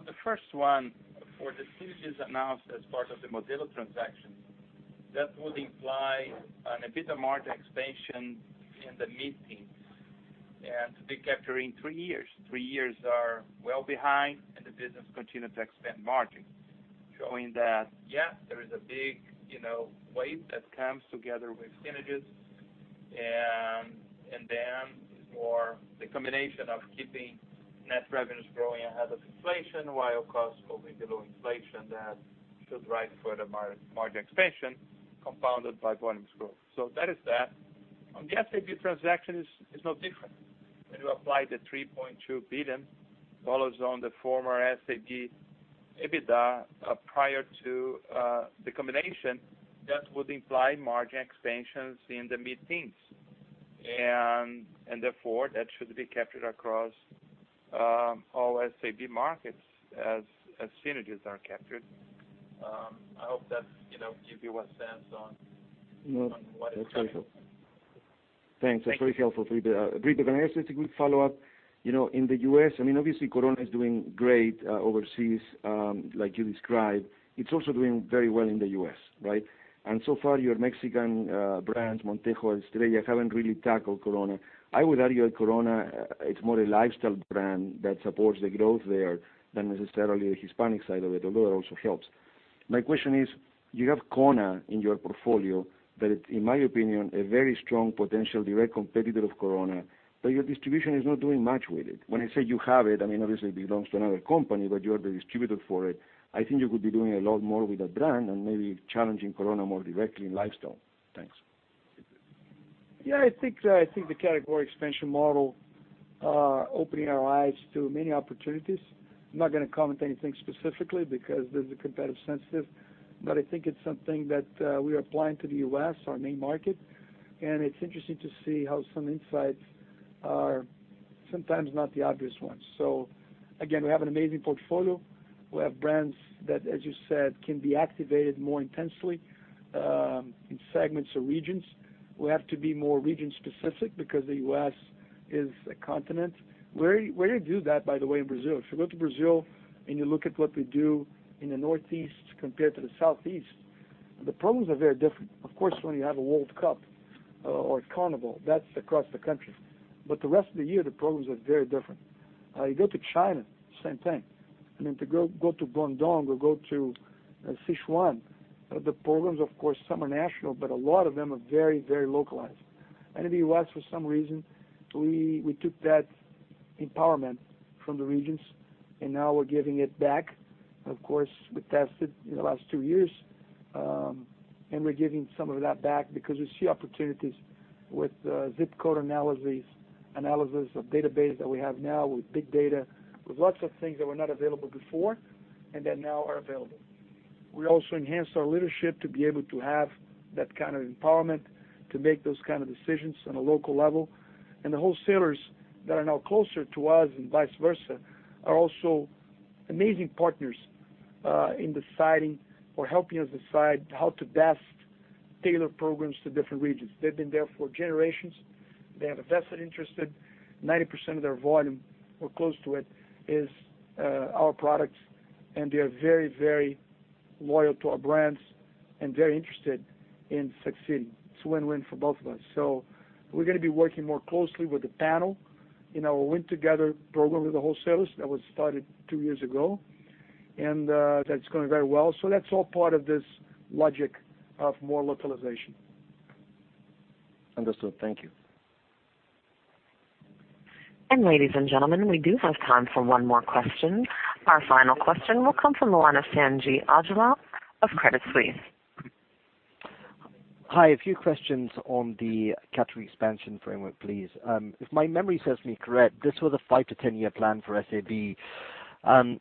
the first one, for the synergies announced as part of the Modelo transaction, that would imply an EBITDA margin expansion in the mid-teens and to be capturing three years. Three years are well behind, the business continued to expand margins, showing that, yes, there is a big wave that comes together with synergies and the combination of keeping net revenues growing ahead of inflation while costs moving below inflation, that should drive further margin expansion compounded by volumes growth. That is that. On the SABMiller transaction is no different. When you apply the $3.2 billion on the former SABMiller EBITDA prior to the combination, that would imply margin expansions in the mid-teens. Therefore, that should be captured across all SABMiller markets as synergies are captured. I hope that gives you a sense on what is coming. Thanks. That's very helpful. Thank you. Brito, can I ask just a quick follow-up? In the U.S., obviously Corona is doing great overseas, like you described. It's also doing very well in the U.S., right? So far, your Mexican brands, Montejo and Estrella, haven't really tackled Corona. I would argue that Corona, it's more a lifestyle brand that supports the growth there than necessarily the Hispanic side of it, although it also helps. My question is, you have Kona in your portfolio, that in my opinion, a very strong potential direct competitor of Corona, but your distribution is not doing much with it. When I say you have it, obviously it belongs to another company, but you are the distributor for it. I think you could be doing a lot more with that brand and maybe challenging Corona more directly in lifestyle. Thanks. I think the category expansion model opening our eyes to many opportunities. I'm not going to comment anything specifically because there's a competitive sensitive, but I think it's something that we are applying to the U.S., our main market, and it's interesting to see how some insights are sometimes not the obvious ones. Again, we have an amazing portfolio. We have brands that, as you said, can be activated more intensely, in segments or regions. We have to be more region-specific because the U.S. is a continent. Where you do that, by the way, in Brazil. If you go to Brazil and you look at what we do in the Northeast compared to the Southeast, the problems are very different. Of course, when you have a World Cup or a Carnival, that's across the country. The rest of the year, the problems are very different. You go to China, same thing. To go to Guangdong or go to Sichuan, the problems, of course, some are national, but a lot of them are very localized. In the U.S., for some reason, we took that empowerment from the regions, and now we're giving it back. Of course, we tested in the last two years, and we're giving some of that back because we see opportunities with ZIP code analyses, analysis of database that we have now with big data, with lots of things that were not available before and that now are available. We also enhanced our leadership to be able to have that kind of empowerment to make those kind of decisions on a local level. The wholesalers that are now closer to us and vice versa are also amazing partners in deciding or helping us decide how to best tailor programs to different regions. They've been there for generations. They have a vested interest in. 90% of their volume or close to it is our products, and they are very loyal to our brands and very interested in succeeding. It's a win-win for both of us. We're going to be working more closely with the panel in our Win Together program with the wholesalers that was started two years ago, and that's going very well. That's all part of this logic of more localization. Understood. Thank you. Ladies and gentlemen, we do have time for one more question. Our final question will come from the line of Sanjeet Aujla of Credit Suisse. Hi. A few questions on the category expansion framework, please. If my memory serves me correct, this was a 5 to 10-year plan for SABMiller.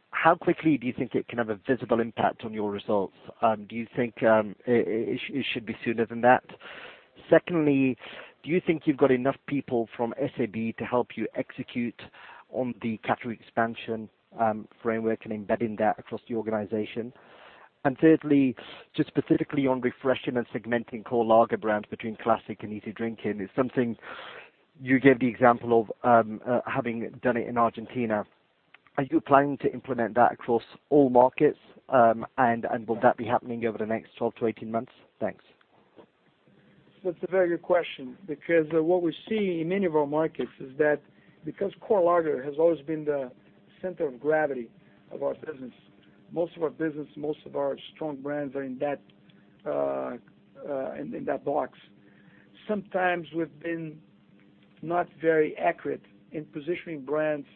How quickly do you think it can have a visible impact on your results? Do you think it should be sooner than that? Secondly, do you think you've got enough people from SABMiller to help you execute on the category expansion framework and embedding that across the organization? Thirdly, just specifically on refreshing and segmenting core lager brands between classic and easy drinking. It's something you gave the example of having done it in Argentina. Are you planning to implement that across all markets? Will that be happening over the next 12-18 months? Thanks. That's a very good question because what we see in many of our markets is that because core lager has always been the center of gravity of our business, most of our business, most of our strong brands are in that box. Sometimes we've been not very accurate in positioning brands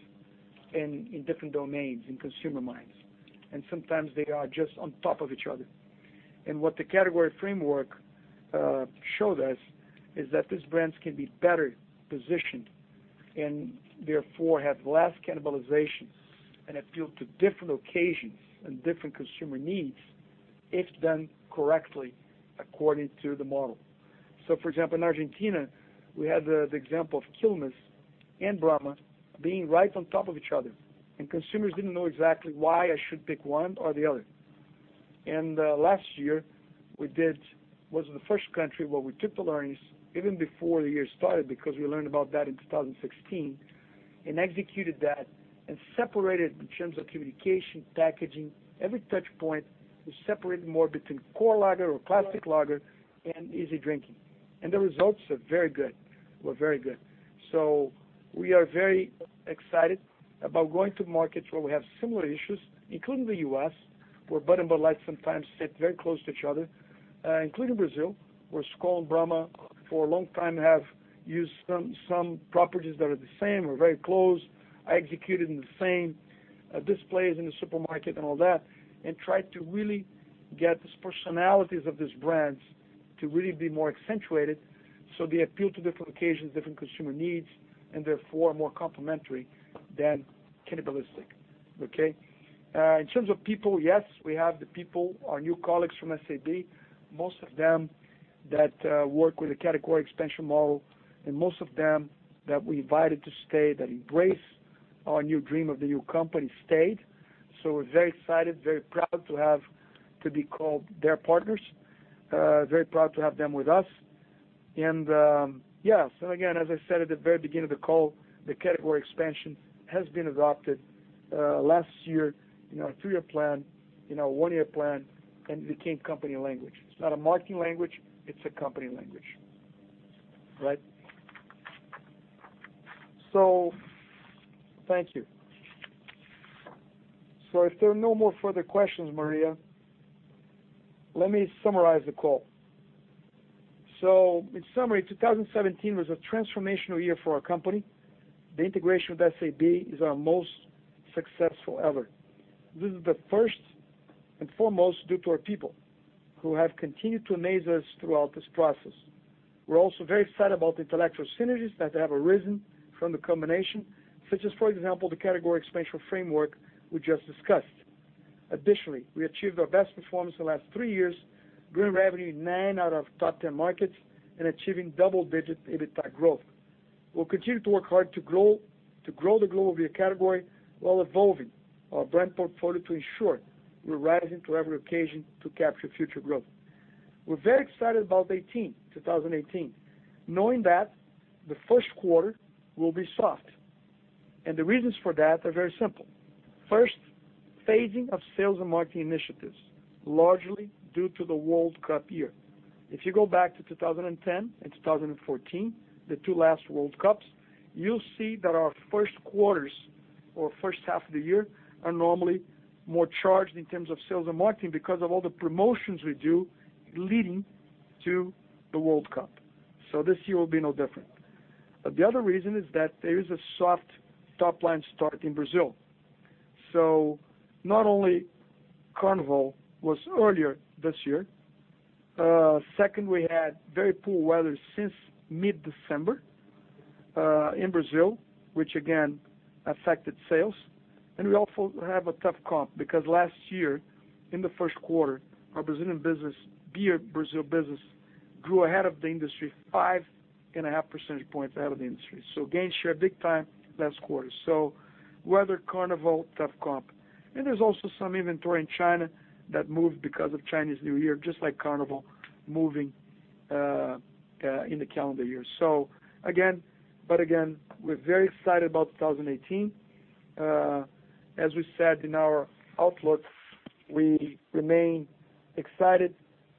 in different domains in consumer minds. Sometimes they are just on top of each other. What the category framework showed us is that these brands can be better positioned and therefore have less cannibalization and appeal to different occasions and different consumer needs if done correctly according to the model. For example, in Argentina, we had the example of Quilmes and Brahma being right on top of each other, and consumers didn't know exactly why I should pick one or the other. Last year we did was the first country where we took the learnings even before the year started because we learned about that in 2016 and executed that and separated in terms of communication, packaging. Every touch point was separated more between core lager or classic lager and easy drinking. The results are very good, were very good. We are very excited about going to markets where we have similar issues, including the U.S., where Bud and Bud Light sometimes sit very close to each other. Including Brazil, where Skol and Brahma, for a long time, have used some properties that are the same or very close, are executed in the same displays in the supermarket and all that, and tried to really get these personalities of these brands to really be more accentuated, so they appeal to different occasions, different consumer needs, and therefore, are more complementary than cannibalistic. Okay? In terms of people, yes, we have the people, our new colleagues from SABMiller. Most of them that work with the category expansion model, and most of them that we invited to stay, that embrace our new dream of the new company, stayed. We're very excited, very proud to be called their partners. Very proud to have them with us. Yes, as I said at the very beginning of the call, the category expansion has been adopted last year, three-year plan, one-year plan, and became company language. It's not a marketing language, it's a company language. Right? Thank you. If there are no more further questions, Maria, let me summarize the call. In summary, 2017 was a transformational year for our company. The integration with SABMiller is our most successful ever. This is the first and foremost due to our people, who have continued to amaze us throughout this process. We are also very excited about the intellectual synergies that have arisen from the combination, such as, for example, the category expansion framework we just discussed. Additionally, we achieved our best performance in the last three years, growing revenue in nine out of top 10 markets and achieving double-digit EBITDA growth. We will continue to work hard to grow the global beer category while evolving our brand portfolio to ensure we are rising to every occasion to capture future growth. We are very excited about 2018, knowing that the first quarter will be soft, and the reasons for that are very simple. First, phasing of sales and marketing initiatives, largely due to the World Cup year. If you go back to 2010 and 2014, the two last World Cups, you will see that our first quarters or first half of the year are normally more charged in terms of sales and marketing because of all the promotions we do leading to the World Cup. This year will be no different. The other reason is that there is a soft top-line start in Brazil. Not only Carnival was earlier this year, second, we had very poor weather since mid-December in Brazil, which again, affected sales. We also have a tough comp because last year in the first quarter, our beer Brazil business grew ahead of the industry, five and a half percentage points ahead of the industry. Gain share big time last quarter. Weather, Carnival, tough comp. There is also some inventory in China that moved because of Chinese New Year, just like Carnival moving in the calendar year. Again, we are very excited about 2018. As we said in our outlook, we remain excited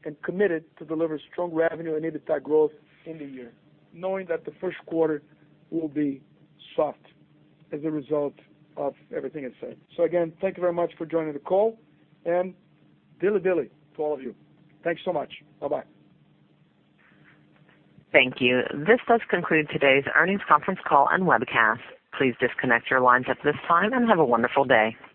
and committed to deliver strong revenue and EBITDA growth in the year, knowing that the first quarter will be soft as a result of everything I said. Again, thank you very much for joining the call, and Dilly Dilly to all of you. Thank you so much. Bye-bye. Thank you. This does conclude today's earnings conference call and webcast. Please disconnect your lines at this time and have a wonderful day.